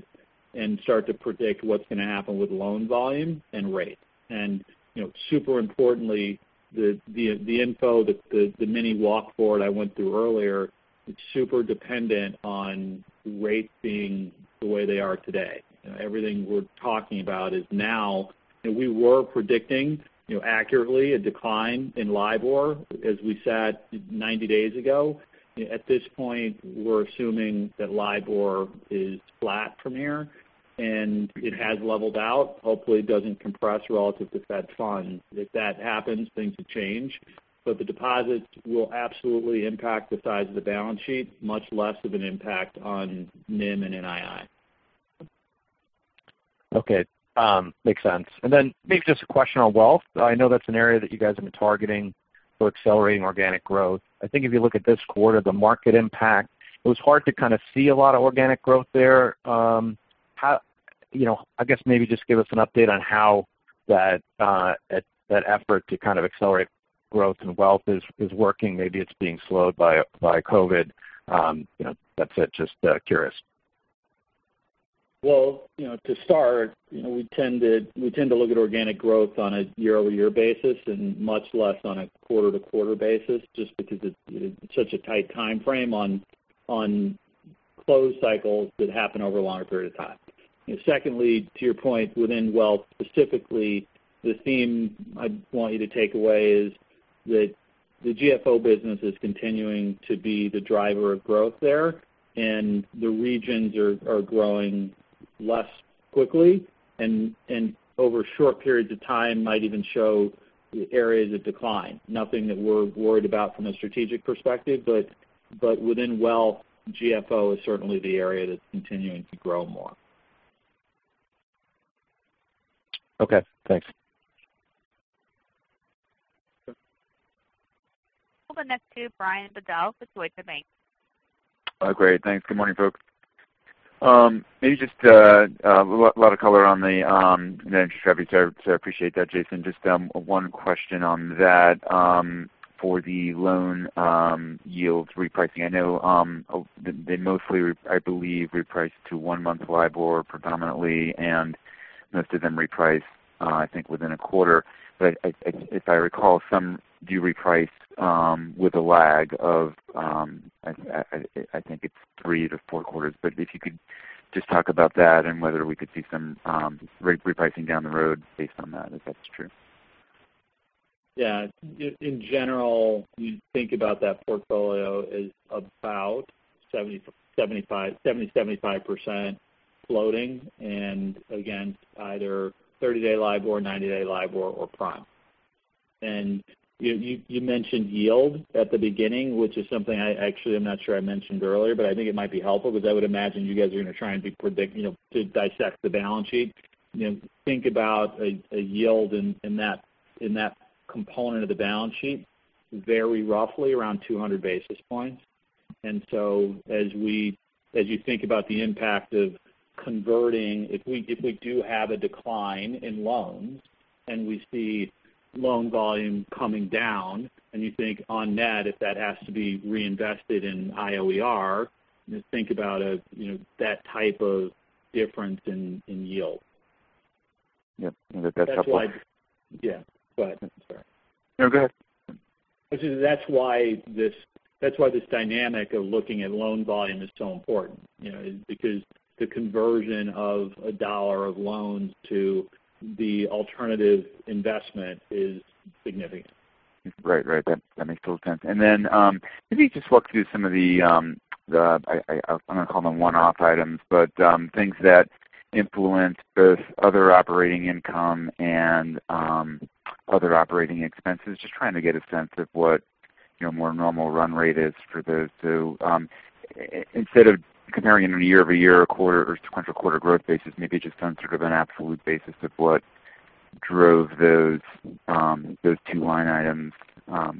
S4: and start to predict what's going to happen with loan volume and rate. And, you know, super importantly, the info, the mini walk forward I went through earlier, it's super dependent on rates being the way they are today. Everything we're talking about is now. And we were predicting, you know, accurately, a decline in LIBOR, as we sat ninety days ago. At this point, we're assuming that LIBOR is flat from here, and it has leveled out. Hopefully, it doesn't compress relative to Fed funds. If that happens, things will change, but the deposits will absolutely impact the size of the balance sheet, much less of an impact on NIM and NII....
S2: Okay, makes sense. And then maybe just a question on wealth. I know that's an area that you guys have been targeting for accelerating organic growth. I think if you look at this quarter, the market impact, it was hard to kind of see a lot of organic growth there. How, you know, I guess maybe just give us an update on how that effort to kind of accelerate growth and wealth is working. Maybe it's being slowed by COVID. You know, that's it, just curious.
S4: Well, you know, to start, you know, we tend to look at organic growth on a year-over-year basis, and much less on a quarter-to-quarter basis, just because it's such a tight time frame on closed cycles that happen over a longer period of time. You know, secondly, to your point, within wealth, specifically, the theme I'd want you to take away is that the GFO business is continuing to be the driver of growth there, and the regions are growing less quickly, and over short periods of time might even show areas of decline. Nothing that we're worried about from a strategic perspective, but within wealth, GFO is certainly the area that's continuing to grow more.
S2: Okay, thanks.
S1: We'll go next to Brian Bedell with Deutsche Bank.
S6: Great. Thanks. Good morning, folks. Maybe just a lot of color on the managed service, so I appreciate that, Jason. Just one question on that. For the loan yields repricing, I know they mostly, I believe, reprice to one-month LIBOR predominantly, and most of them reprice, I think, within a quarter. But if I recall, some do reprice with a lag of, I think it's three to four quarters. But if you could just talk about that and whether we could see some repricing down the road based on that, if that's true.
S4: Yeah. In general, you think about that portfolio as about 70-75% floating, and again, either thirty-day LIBOR, ninety-day LIBOR or prime. And you mentioned yield at the beginning, which is something I actually, I'm not sure I mentioned earlier, but I think it might be helpful because I would imagine you guys are going to try and predict, you know, to dissect the balance sheet. You know, think about a yield in that component of the balance sheet, very roughly around 200 basis points. And so as you think about the impact of converting, if we do have a decline in loans, and we see loan volume coming down, and you think on net, if that has to be reinvested in IOER, just think about, you know, that type of difference in yield.
S6: Yep, and that's a couple-
S4: That's why. Yeah, go ahead. Sorry.
S6: No, go ahead.
S4: Which is, that's why this dynamic of looking at loan volume is so important, you know, is because the conversion of a dollar of loans to the alternative investment is significant.
S10: Right. Right. That, that makes total sense. And then, maybe just walk through some of the, the, I, I... I'm going to call them one-off items, but, things that influence both other operating income and, other operating expenses. Just trying to get a sense of what, you know, more normal run rate is for those two. Instead of comparing it on a year-over-year, or quarter, or sequential quarter growth basis, maybe just on sort of an absolute basis of what drove those, those two line items,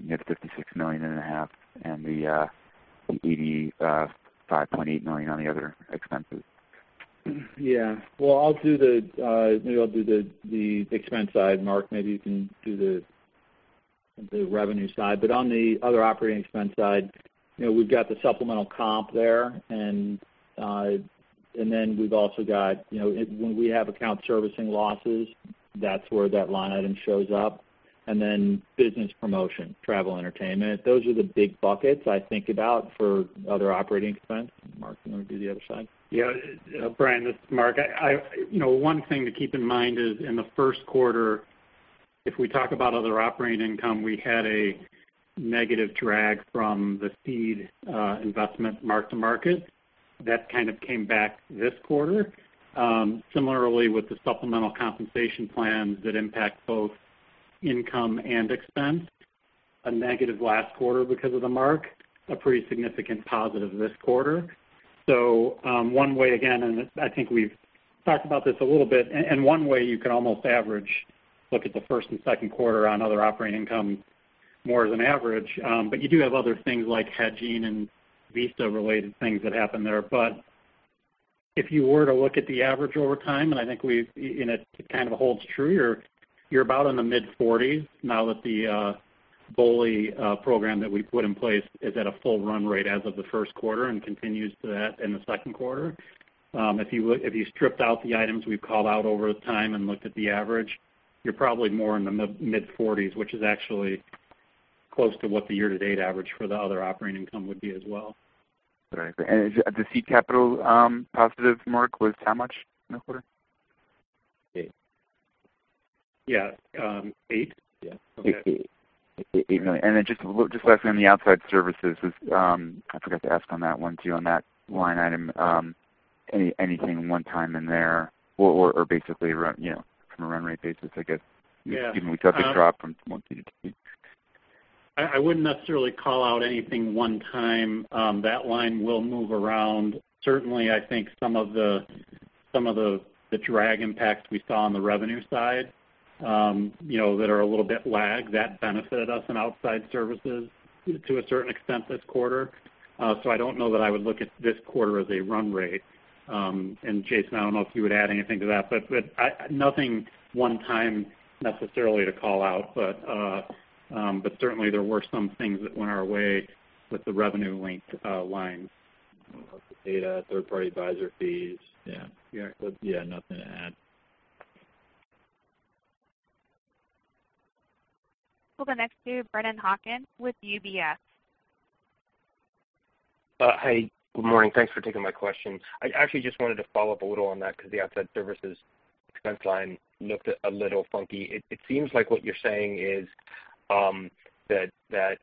S10: you have $56.5 million and the, the eighty-five point eight million on the other expenses.
S4: Yeah. Well, maybe I'll do the expense side, Mark. Maybe you can do the revenue side. But on the other operating expense side, you know, we've got the supplemental comp there, and then we've also got, you know, when we have account servicing losses, that's where that line item shows up, and then business promotion, travel, entertainment. Those are the big buckets I think about for other operating expense. Mark, you want to do the other side?
S2: Yeah. Brian, this is Mark. You know, one thing to keep in mind is, in the first quarter, if we talk about other operating income, we had a negative drag from the seed investment mark-to-market. That kind of came back this quarter. Similarly, with the supplemental compensation plans that impact both income and expense, a negative last quarter because of the mark, a pretty significant positive this quarter. So, one way, again, and I think we've talked about this a little bit, one way you could almost average, look at the first and second quarter on other operating income more as an average. But you do have other things like Hedgine and Vista-related things that happened there. But if you were to look at the average over time, and I think we've, you know, it kind of holds true, you're about in the mid-forties now that the BOLI program that we put in place is at a full run rate as of the first quarter and continues to that in the second quarter. If you stripped out the items we've called out over time and looked at the average, you're probably more in the mid-forties, which is actually close to what the year-to-date average for the other operating income would be as well.
S6: Right. And the seed capital, positive Mark, was how much in the quarter?
S2: Eight. Yeah, eight? Yeah.
S6: Okay, $8 million. And then just lastly, on the outside services, I forgot to ask on that one, too, on that line item, anything one time in there or basically, around, you know, from a run rate basis, I guess-
S4: Yeah, um-
S6: Even we took the drop from one to two? ...
S2: I wouldn't necessarily call out anything one time. That line will move around. Certainly, I think some of the drag impacts we saw on the revenue side, you know, that are a little bit lag, that benefited us in outside services to a certain extent this quarter. So I don't know that I would look at this quarter as a run rate. And Jason, I don't know if you would add anything to that, but nothing one time necessarily to call out. But certainly there were some things that went our way with the revenue-linked lines.
S4: Data, third party advisor fees. Yeah.
S2: Yeah.
S4: Yeah, nothing to add.
S1: We'll go next to Brennan Hawken with UBS.
S6: Hey, good morning. Thanks for taking my question. I actually just wanted to follow up a little on that because the outside services expense line looked a little funky. It seems like what you're saying is that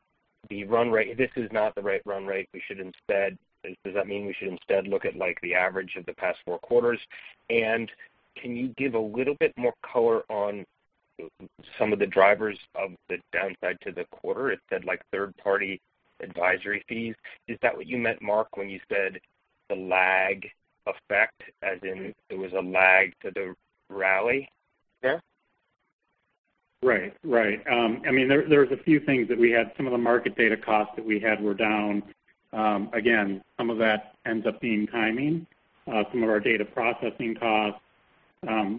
S6: the run rate. This is not the right run rate. We should instead. Does that mean we should instead look at, like, the average of the past four quarters, and can you give a little bit more color on some of the drivers of the downside to the quarter? It said, like, third-party advisory fees. Is that what you meant, Mark, when you said the lag effect, as in there was a lag to the rally there?
S2: Right. I mean, there's a few things that we had. Some of the market data costs that we had were down. Again, some of that ends up being timing. Some of our data processing costs,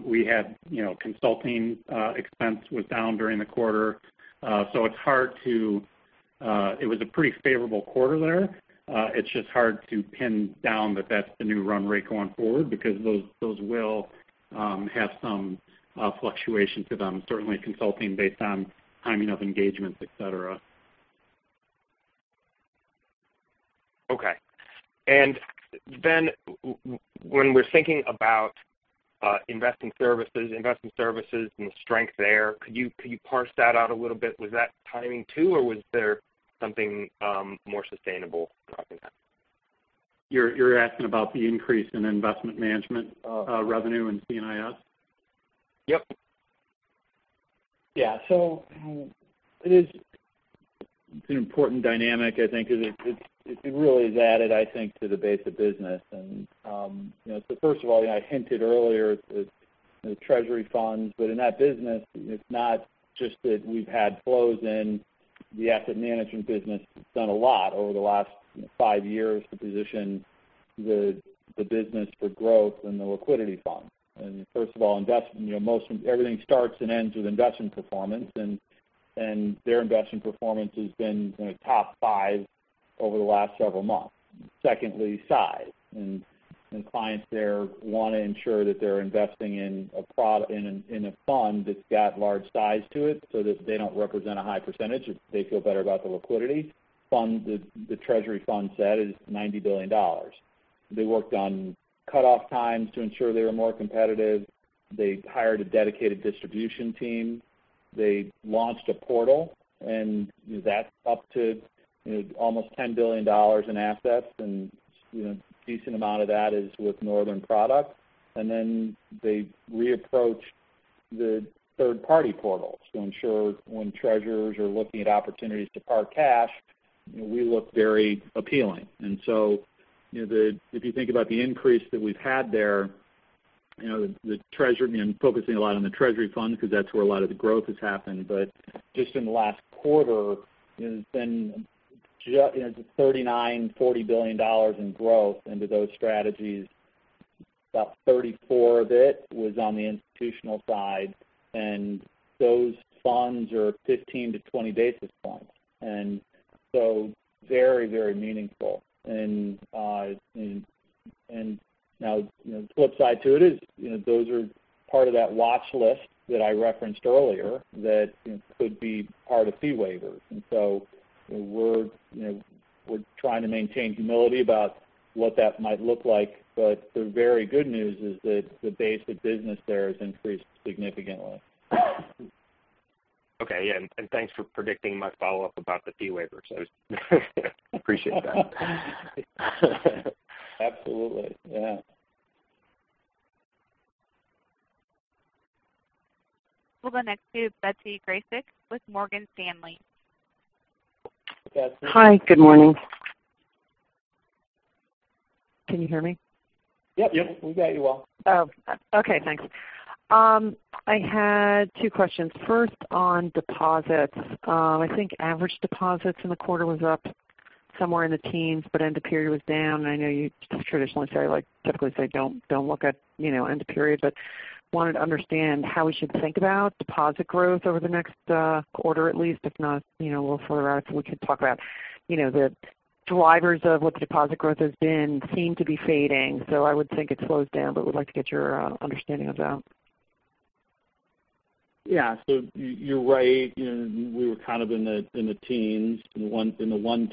S2: we had, you know, consulting expense was down during the quarter. So it's hard to. It was a pretty favorable quarter there. It's just hard to pin down that that's the new run rate going forward, because those will have some fluctuation to them, certainly consulting based on timing of engagements, et cetera.
S6: Okay. And then when we're thinking about investing services, investment services and the strength there, could you parse that out a little bit? Was that timing, too, or was there something more sustainable driving that?
S2: You're asking about the increase in investment management revenue in CNIS?
S6: Yep.
S4: Yeah. So it is, it's an important dynamic. I think it really has added, I think, to the base of business. And you know, so first of all, I hinted earlier at treasury funds, but in that business, it's not just that we've had flows in the asset management business. It's done a lot over the last five years to position the business for growth in the liquidity fund. And first of all, you know, everything starts and ends with investment performance, and their investment performance has been in the top five over the last several months. Secondly, size. And clients there want to ensure that they're investing in a fund that's got large size to it, so that they don't represent a high percentage, they feel better about the liquidity. The treasury fund set is $90 billion. They worked on cutoff times to ensure they were more competitive. They hired a dedicated distribution team. They launched a portal, and that's up to, you know, almost $10 billion in assets, and, you know, a decent amount of that is with Northern products. And then they reapproached the third-party portals to ensure when treasurers are looking at opportunities to park cash, we look very appealing. And so, you know, the if you think about the increase that we've had there, you know, the treasury, I'm focusing a lot on the treasury fund because that's where a lot of the growth has happened, but just in the last quarter, it's been you know, $39-$40 billion in growth into those strategies. About 34 of it was on the institutional side, and those funds are 15-20 basis points, and so very, very meaningful. Now, you know, the flip side to it is, you know, those are part of that watch list that I referenced earlier, that, you know, could be part of fee waivers. And so we're, you know, we're trying to maintain humility about what that might look like. But the very good news is that the base of business there has increased significantly.
S6: Okay, yeah, and thanks for predicting my follow-up about the fee waivers. I appreciate that.
S4: Absolutely. Yeah.
S1: We'll go next to Betsy Graseck with Morgan Stanley.
S6: Hi, good morning. Can you hear me?
S4: Yep.
S2: Yep, we got you well.
S6: Oh, okay, thanks. I had two questions. First, on deposits. I think average deposits in the quarter was up somewhere in the teens, but end of period was down. I know you traditionally say, like, typically say, "Don't look at, you know, end of period," but wanted to understand how we should think about deposit growth over the next quarter, at least, if not, you know, a little further out. So we could talk about, you know, the drivers of what the deposit growth has been seem to be fading, so I would think it slows down, but would like to get your understanding of that.
S4: Yeah. So you're right. You know, we were kind of in the low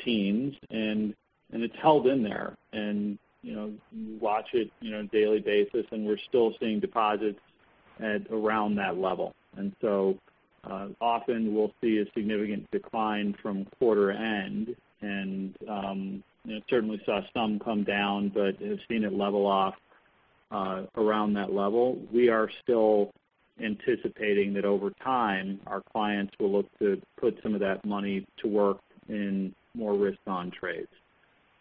S4: teens, and it's held in there. And, you know, you watch it on a daily basis, and we're still seeing deposits at around that level. And so, often we'll see a significant decline from quarter end, and, you know, certainly saw some come down, but have seen it level off around that level. We are still anticipating that over time, our clients will look to put some of that money to work in more risk-on trades.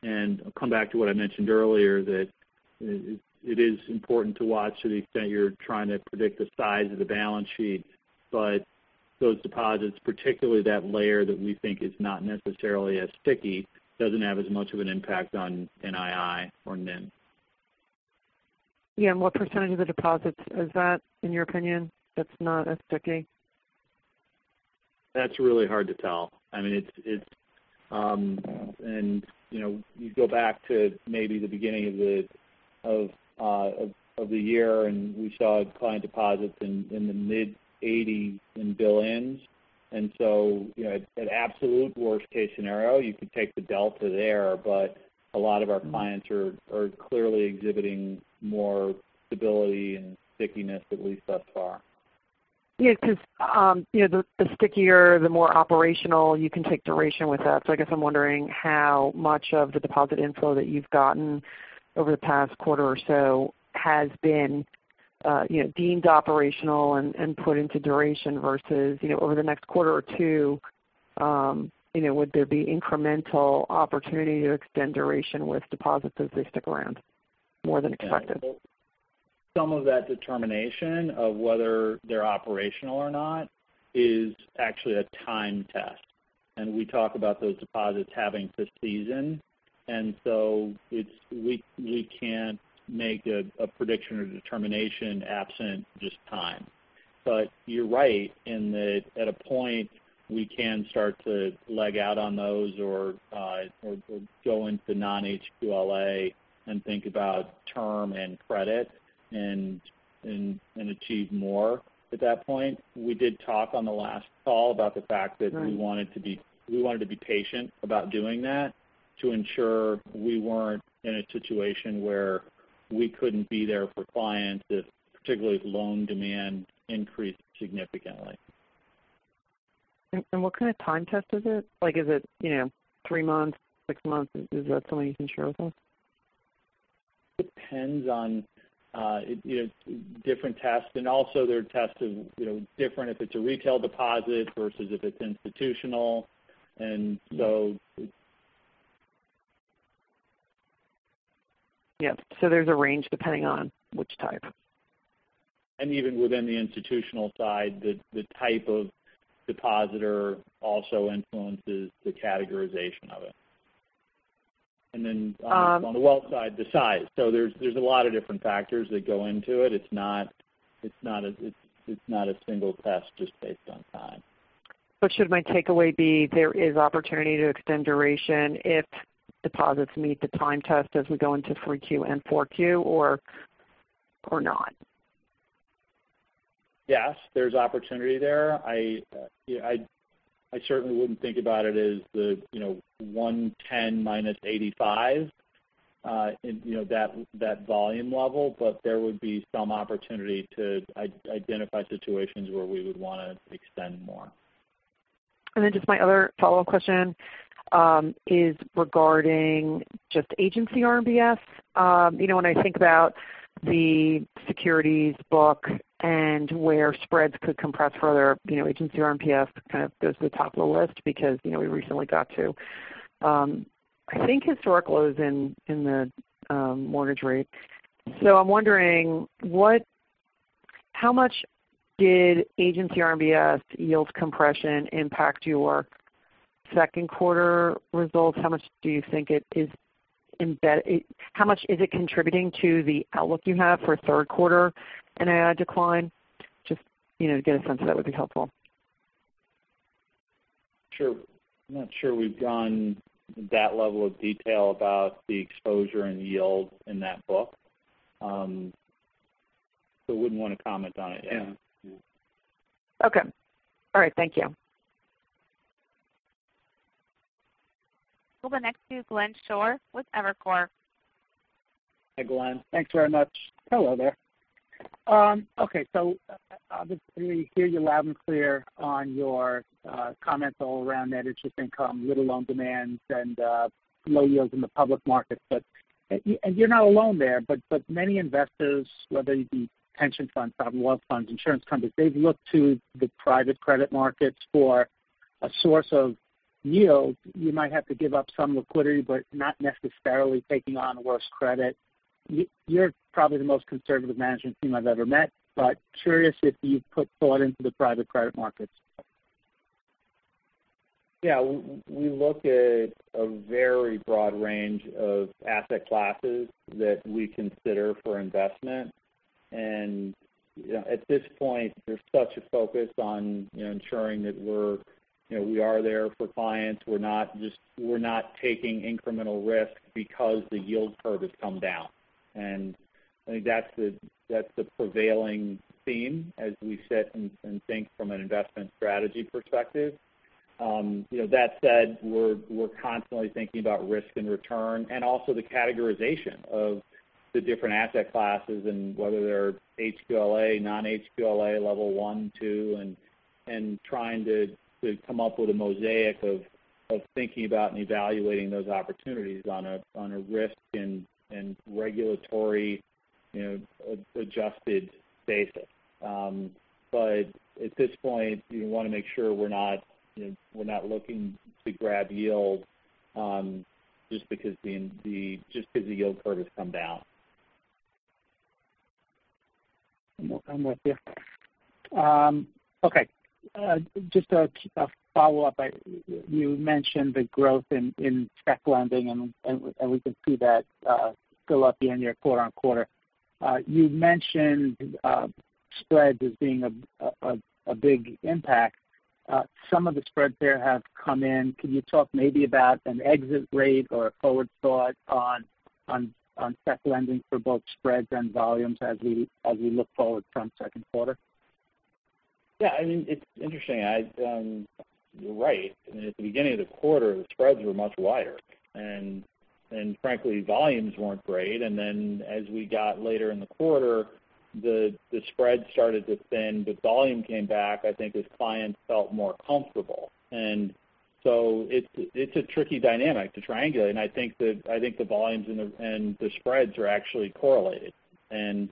S4: And I'll come back to what I mentioned earlier, that it is important to watch to the extent you're trying to predict the size of the balance sheet. But those deposits, particularly that layer that we think is not necessarily as sticky, doesn't have as much of an impact on NII or NIM.
S6: Yeah, and what percentage of the deposits is that, in your opinion, that's not as sticky?
S4: That's really hard to tell. I mean, it's and, you know, you go back to maybe the beginning of the year, and we saw client deposits in the mid-80 billion. And so, you know, at absolute worst case scenario, you could take the delta there, but a lot of our clients are clearly exhibiting more stability and stickiness, at least thus far.
S6: Yeah, because you know, the stickier, the more operational, you can take duration with that. So I guess I'm wondering how much of the deposit inflow that you've gotten over the past quarter or so has been, you know, deemed operational and put into duration versus, you know, over the next quarter or two, would there be incremental opportunity to extend duration with deposits as they stick around more than expected?
S4: Some of that determination of whether they're operational or not is actually a time test, and we talk about those deposits having to season. And so it's we can't make a prediction or determination absent just time. But you're right in that at a point, we can start to leg out on those or or go into non-HQLA and think about term and credit and and achieve more at that point. We did talk on the last call about the fact that-
S6: Right...
S4: we wanted to be patient about doing that to ensure we weren't in a situation where we couldn't be there for clients if, particularly if loan demand increased significantly.
S6: What kind of time test is it? Like, is it, you know, three months, six months? Is that something you can share with us?
S4: Depends on, it, you know, different tests, and also there are tests of, you know, different if it's a retail deposit versus if it's institutional. And so-
S6: Yeah, so there's a range depending on which type.
S4: And even within the institutional side, the type of depositor also influences the categorization of it. And then-
S6: Um-...
S4: on the wealth side, the size. So there's a lot of different factors that go into it. It's not a single test just based on time.
S6: But should my takeaway be there is opportunity to extend duration if deposits meet the time test as we go into 3Q and 4Q or, or not?
S4: Yes, there's opportunity there. I certainly wouldn't think about it as the, you know, one ten minus eighty-five in, you know, that volume level, but there would be some opportunity to identify situations where we would want to extend more.
S6: And then just my other follow-up question is regarding just Agency RMBS. You know, when I think about the securities book and where spreads could compress further, you know, Agency RMBS kind of goes to the top of the list because, you know, we recently got to I think historical lows in the mortgage rate. So I'm wondering how much did Agency RMBS yield compression impact your second quarter results? How much do you think it is contributing to the outlook you have for third quarter in a decline? Just, you know, to get a sense of that would be helpful.
S4: Sure. I'm not sure we've gone that level of detail about the exposure and yield in that book. So wouldn't want to comment on it, yeah.
S6: Okay. All right, thank you.
S1: We'll go next to Glenn Schorr with Evercore.
S4: Hi, Glenn. Thanks very much.
S11: Hello there. Okay, so we hear you loud and clear on your comments all around net interest income, limited loan demands and low yields in the public market, but you're not alone there, but many investors, whether it be pension funds, sovereign wealth funds, insurance companies, they've looked to the private credit markets for a source of yield. You might have to give up some liquidity, but not necessarily taking on worse credit. You're probably the most conservative management team I've ever met, but curious if you've put thought into the private credit markets.
S4: Yeah, we look at a very broad range of asset classes that we consider for investment. And, you know, at this point, there's such a focus on, you know, ensuring that we're, you know, we are there for clients. We're not just, we're not taking incremental risk because the yield curve has come down. And I think that's the, that's the prevailing theme as we sit and think from an investment strategy perspective. You know, that said, we're constantly thinking about risk and return and also the categorization of the different asset classes and whether they're HQLA, non-HQLA, level one, two, and trying to come up with a mosaic of thinking about and evaluating those opportunities on a risk and regulatory, you know, adjusted basis. But at this point, we want to make sure we're not, you know, we're not looking to grab yield, just because the yield curve has come down.
S11: I'm with you. Okay, just a follow up. You mentioned the growth in spec lending, and we can see that go up in your quarter on quarter. You mentioned spreads as being a big impact. Some of the spreads there have come in. Can you talk maybe about an exit rate or a forward thought on spec lending for both spreads and volumes as we look forward from second quarter?
S4: Yeah, I mean, it's interesting. I, you're right. I mean, at the beginning of the quarter, the spreads were much wider, and frankly, volumes weren't great. And then as we got later in the quarter, the spreads started to thin. The volume came back, I think, as clients felt more comfortable. And so it's a tricky dynamic to triangulate. And I think the volumes and the spreads are actually correlated. And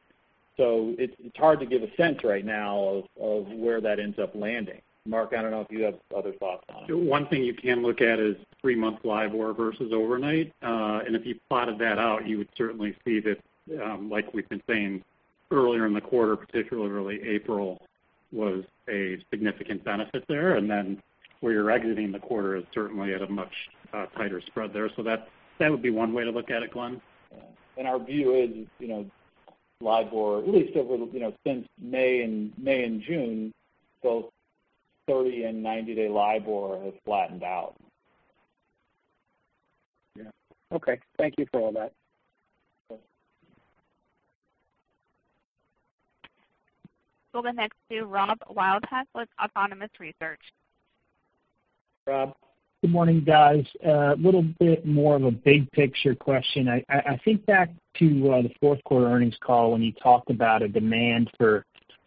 S4: so it's hard to give a sense right now of where that ends up landing. Mark, I don't know if you have other thoughts on it.
S2: One thing you can look at is three-month LIBOR versus overnight, and if you plotted that out, you would certainly see that, like we've been saying, earlier in the quarter, particularly early April, was a significant benefit there, and then where you're exiting the quarter is certainly at a much tighter spread there, so that would be one way to look at it, Glenn.
S4: Yeah, and our view is, you know, LIBOR, at least over, you know, since May and June, both thirty and ninety-day LIBOR has flattened out.
S6: Yeah. Okay. Thank you for all that.
S4: Sure.
S1: We'll go next to Rob Wildhack with Autonomous Research.
S3: Rob.
S6: Good morning, guys. A little bit more of a big picture question. I think back to the fourth quarter earnings call when you talked about a demand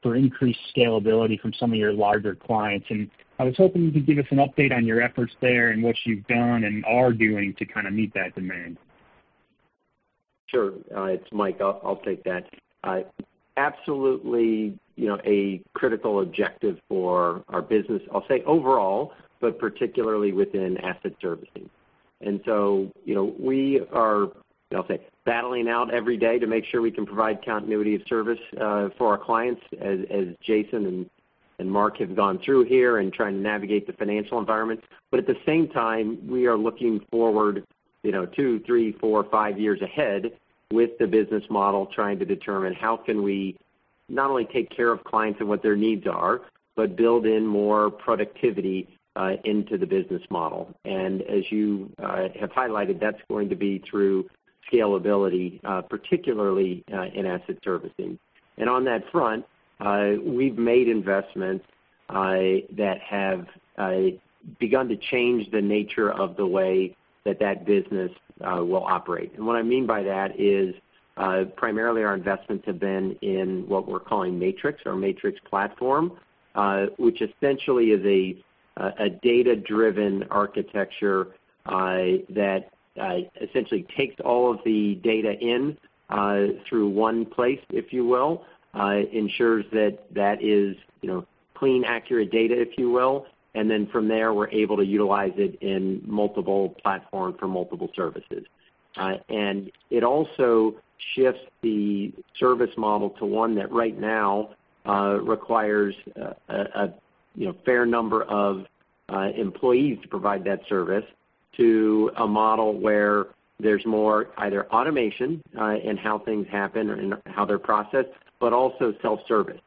S6: for increased scalability from some of your larger clients, and I was hoping you could give us an update on your efforts there and what you've done and are doing to kind of meet that demand.
S3: Sure. It's Mike. I'll take that. Absolutely, you know, a critical objective for our business, I'll say overall, but particularly within asset servicing. And so, you know, we are, I'll say, battling out every day to make sure we can provide continuity of service for our clients as Jason and Mark have gone through here in trying to navigate the financial environment. But at the same time, we are looking forward, you know, two, three, four, five years ahead with the business model, trying to determine how can we not only take care of clients and what their needs are, but build in more productivity into the business model. And as you have highlighted, that's going to be through scalability, particularly, in asset servicing. On that front, we've made investments that have begun to change the nature of the way that that business will operate. What I mean by that is, primarily our investments have been in what we're calling Matrix, our Matrix platform, which essentially is a data-driven architecture that essentially takes all of the data in through one place, if you will, ensures that that is, you know, clean, accurate data, if you will. Then from there, we're able to utilize it in multiple platforms for multiple services. It also shifts the service model to one that right now requires a, you know, fair number of employees to provide that service, to a model where there's more either automation in how things happen or in how they're processed, but also self-service.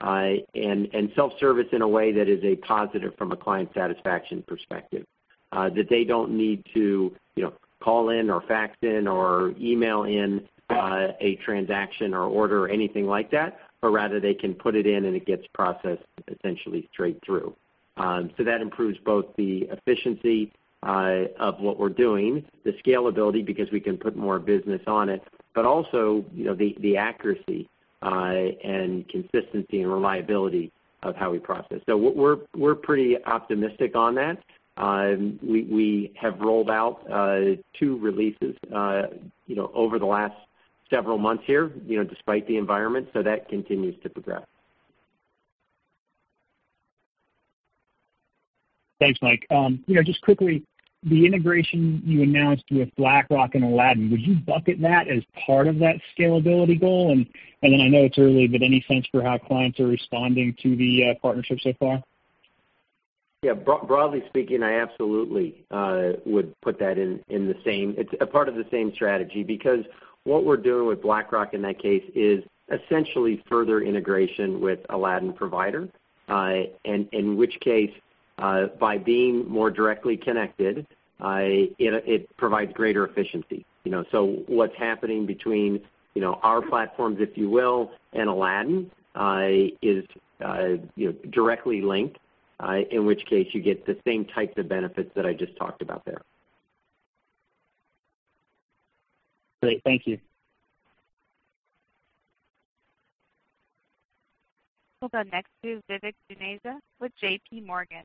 S3: And self-service in a way that is a positive from a client satisfaction perspective. That they don't need to, you know, call in or fax in or email in, a transaction or order or anything like that, but rather they can put it in and it gets processed essentially straight through. So that improves both the efficiency of what we're doing, the scalability, because we can put more business on it, but also, you know, the accuracy, and consistency and reliability of how we process. So we're pretty optimistic on that. We have rolled out two releases, you know, over the last several months here, you know, despite the environment. So that continues to progress.
S6: Thanks, Mike. You know, just quickly, the integration you announced with BlackRock and Aladdin, would you bucket that as part of that scalability goal? And then I know it's early, but any sense for how clients are responding to the partnership so far?
S3: Yeah, broadly speaking, I absolutely would put that in the same. It's a part of the same strategy. Because what we're doing with BlackRock in that case is essentially further integration with Aladdin Provider. And in which case, by being more directly connected, it provides greater efficiency. You know, so what's happening between, you know, our platforms, if you will, and Aladdin is, you know, directly linked, in which case you get the same types of benefits that I just talked about there.
S6: Great. Thank you....
S1: We'll go next to Vivek Juneja with J.P. Morgan.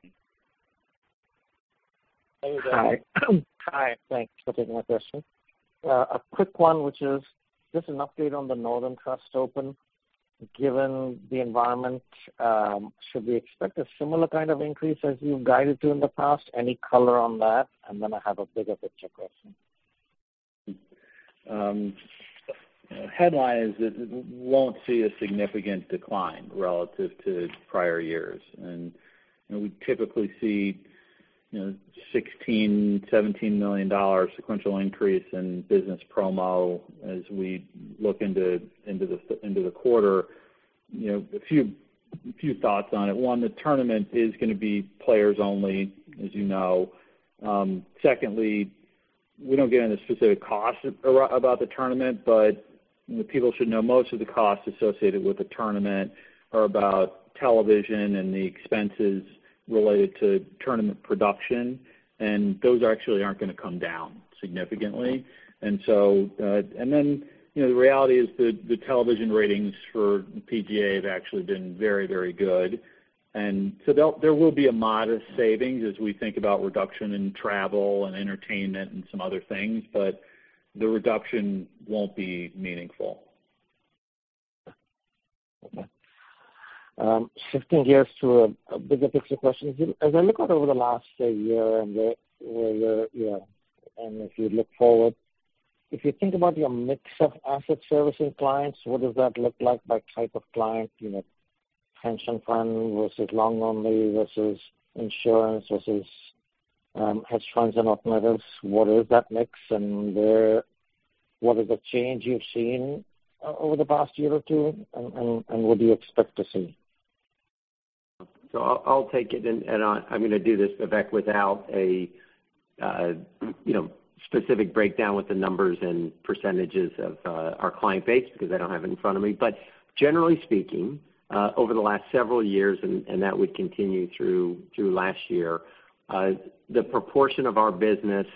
S12: Hey, guys.
S3: Hi.
S12: Hi, thanks for taking my question. A quick one, which is just an update on the Northern Trust Open. Given the environment, should we expect a similar kind of increase as you've guided to in the past? Any color on that? And then I have a bigger picture question.
S3: Headline is that we won't see a significant decline relative to prior years. You know, we typically see you know, $16-$17 million sequential increase in business promo as we look into the quarter. You know, a few thoughts on it. One, the tournament is going to be players only, as you know. Secondly, we don't get into specific costs about the tournament, but people should know most of the costs associated with the tournament are about television and the expenses related to tournament production, and those actually aren't going to come down significantly. And then, you know, the reality is the television ratings for PGA have actually been very, very good. And so there will be a modest savings as we think about reduction in travel and entertainment and some other things, but the reduction won't be meaningful.
S12: Okay. Shifting gears to a bigger picture question. As I look at over the last, say, year and where we're, and if you look forward, if you think about your mix of asset servicing clients, what does that look like by type of client? You know, pension fund versus long only, versus insurance, versus hedge funds and alternatives. What is that mix? And what is the change you've seen over the past year or two? And what do you expect to see?
S3: I'll take it, and I'm going to do this, Vivek, without a, you know, specific breakdown with the numbers and percentages of our client base, because I don't have it in front of me. Generally speaking, over the last several years, and that would continue through last year, the proportion of our business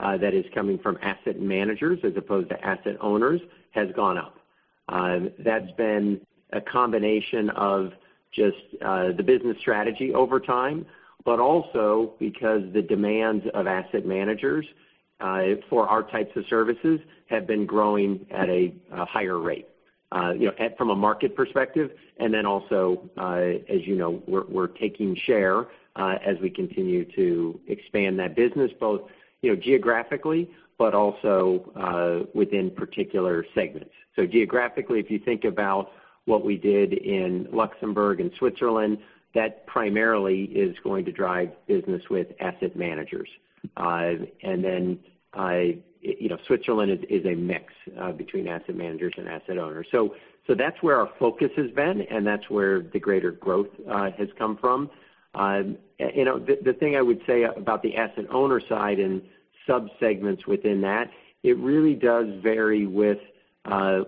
S3: that is coming from asset managers as opposed to asset owners has gone up. That's been a combination of just the business strategy over time, but also because the demands of asset managers for our types of services have been growing at a higher rate. From a market perspective, and then also, as you know, we're taking share as we continue to expand that business, both, you know, geographically, but also within particular segments. So geographically, if you think about what we did in Luxembourg and Switzerland, that primarily is going to drive business with asset managers. And then, you know, Switzerland is a mix between asset managers and asset owners. So that's where our focus has been, and that's where the greater growth has come from. You know, the thing I would say about the asset owner side and subsegments within that, it really does vary with,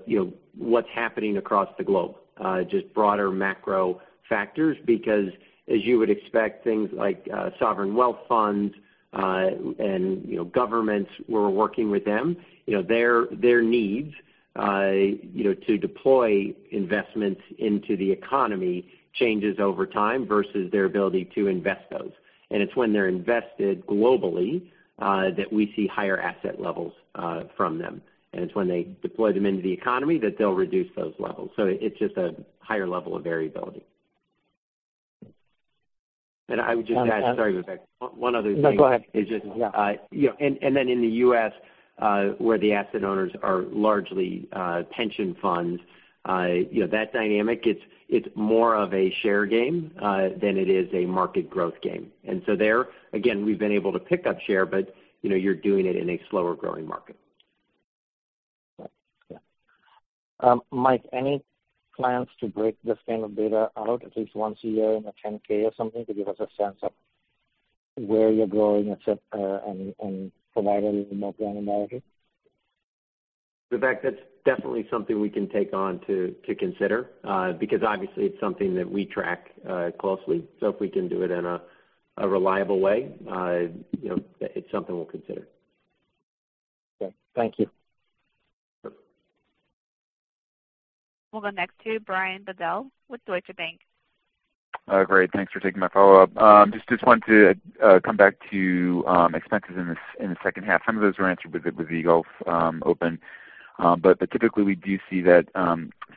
S3: you know, what's happening across the globe, just broader macro factors. Because as you would expect, things like sovereign wealth funds and, you know, governments, we're working with them. You know, their needs, you know, to deploy investments into the economy changes over time versus their ability to invest those. And it's when they're invested globally that we see higher asset levels from them. And it's when they deploy them into the economy that they'll reduce those levels. So it's just a higher level of variability. And I would just add... Sorry, Vivek, one other thing.
S12: No, go ahead.
S3: Is just-
S12: Yeah.
S3: You know, and then in the US, where the asset owners are largely pension funds, you know, that dynamic, it's more of a share game than it is a market growth game, and so there, again, we've been able to pick up share, but you know, you're doing it in a slower-growing market.
S12: Right. Yeah. Mike, any plans to break this kind of data out at least once a year in a 10-K or something, to give us a sense of where you're growing, et cetera, and provide a little more granularity?
S3: Vivek, that's definitely something we can take on to consider, because obviously, it's something that we track closely. So if we can do it in a reliable way, you know, it's something we'll consider.
S12: Okay. Thank you.
S3: Sure.
S1: We'll go next to Brian Bedell with Deutsche Bank.
S6: Great, thanks for taking my follow-up. Just wanted to come back to expenses in the second half. Some of those were answered with the Northern Trust Open. But typically, we do see that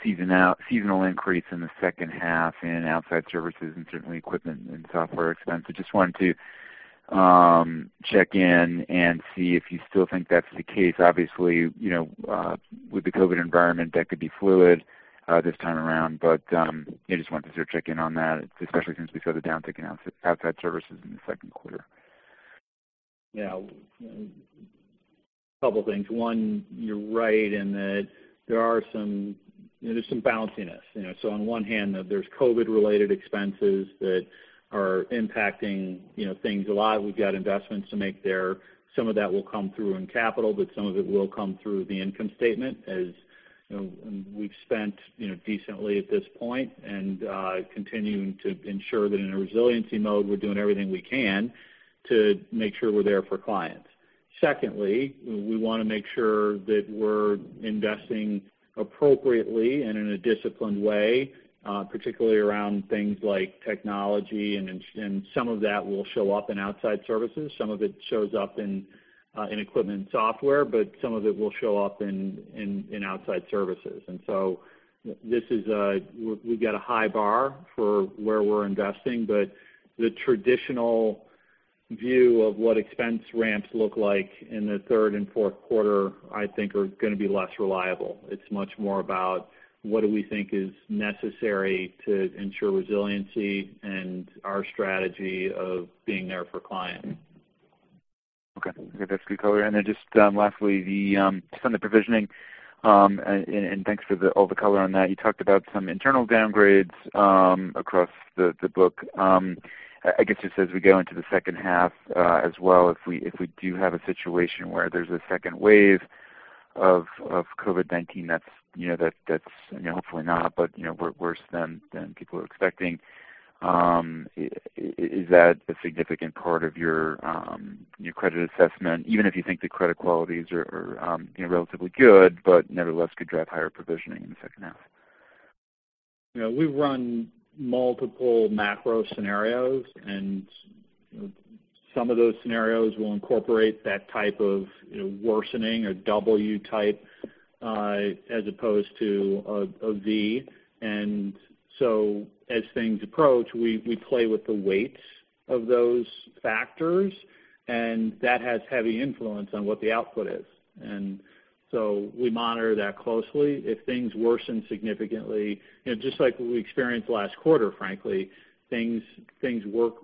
S6: seasonal increase in the second half in outside services and certainly equipment and software expense. I just wanted to check in and see if you still think that's the case. Obviously, you know, with the COVID environment, that could be fluid this time around, but I just wanted to check in on that, especially since we saw the downtick in outside services in the second quarter.
S3: Yeah. A couple things. One, you're right in that there are some... There's some bounciness. You know, so on one hand, there's COVID-related expenses that are impacting, you know, things a lot. We've got investments to make there. Some of that will come through in capital, but some of it will come through the income statement, as, you know, we've spent, you know, decently at this point and continuing to ensure that in a Resiliency Mode, we're doing everything we can to make sure we're there for clients....
S4: secondly, we wanna make sure that we're investing appropriately and in a disciplined way, particularly around things like technology and some of that will show up in outside services. Some of it shows up in equipment software, but some of it will show up in outside services. And so this is, we've got a high bar for where we're investing, but the traditional view of what expense ramps look like in the third and fourth quarter, I think are gonna be less reliable. It's much more about what do we think is necessary to ensure resiliency and our strategy of being there for clients.
S6: Okay. That's good color. And then just lastly, some of the provisioning, and thanks for all the color on that. You talked about some internal downgrades across the book. I guess just as we go into the second half as well, if we do have a situation where there's a second wave of COVID-19, that's, you know, hopefully not, but, you know, worse than people are expecting. Is that a significant part of your credit assessment, even if you think the credit qualities are, you know, relatively good, but nevertheless, could drive higher provisioning in the second half?
S4: You know, we run multiple macro scenarios, and some of those scenarios will incorporate that type of, you know, worsening or W type as opposed to a V. And so as things approach, we play with the weights of those factors, and that has heavy influence on what the output is. And so we monitor that closely. If things worsen significantly, you know, just like what we experienced last quarter, frankly, things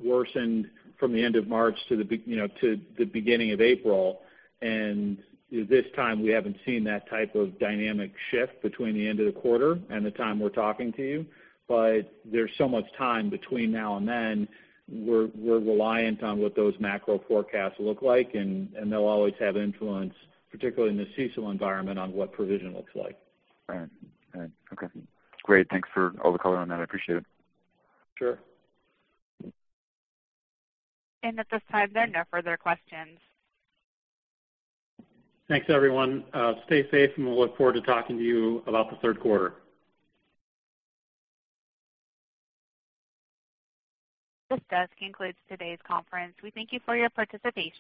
S4: worsened from the end of March to the beginning of April. And this time, we haven't seen that type of dynamic shift between the end of the quarter and the time we're talking to you. But there's so much time between now and then, we're reliant on what those macro forecasts look like, and they'll always have influence, particularly in the CECL environment, on what provision looks like.
S6: All right. All right. Okay, great. Thanks for all the color on that. I appreciate it.
S4: Sure.
S1: At this time, there are no further questions.
S4: Thanks, everyone. Stay safe, and we'll look forward to talking to you about the third quarter.
S1: This does conclude today's conference. We thank you for your participation.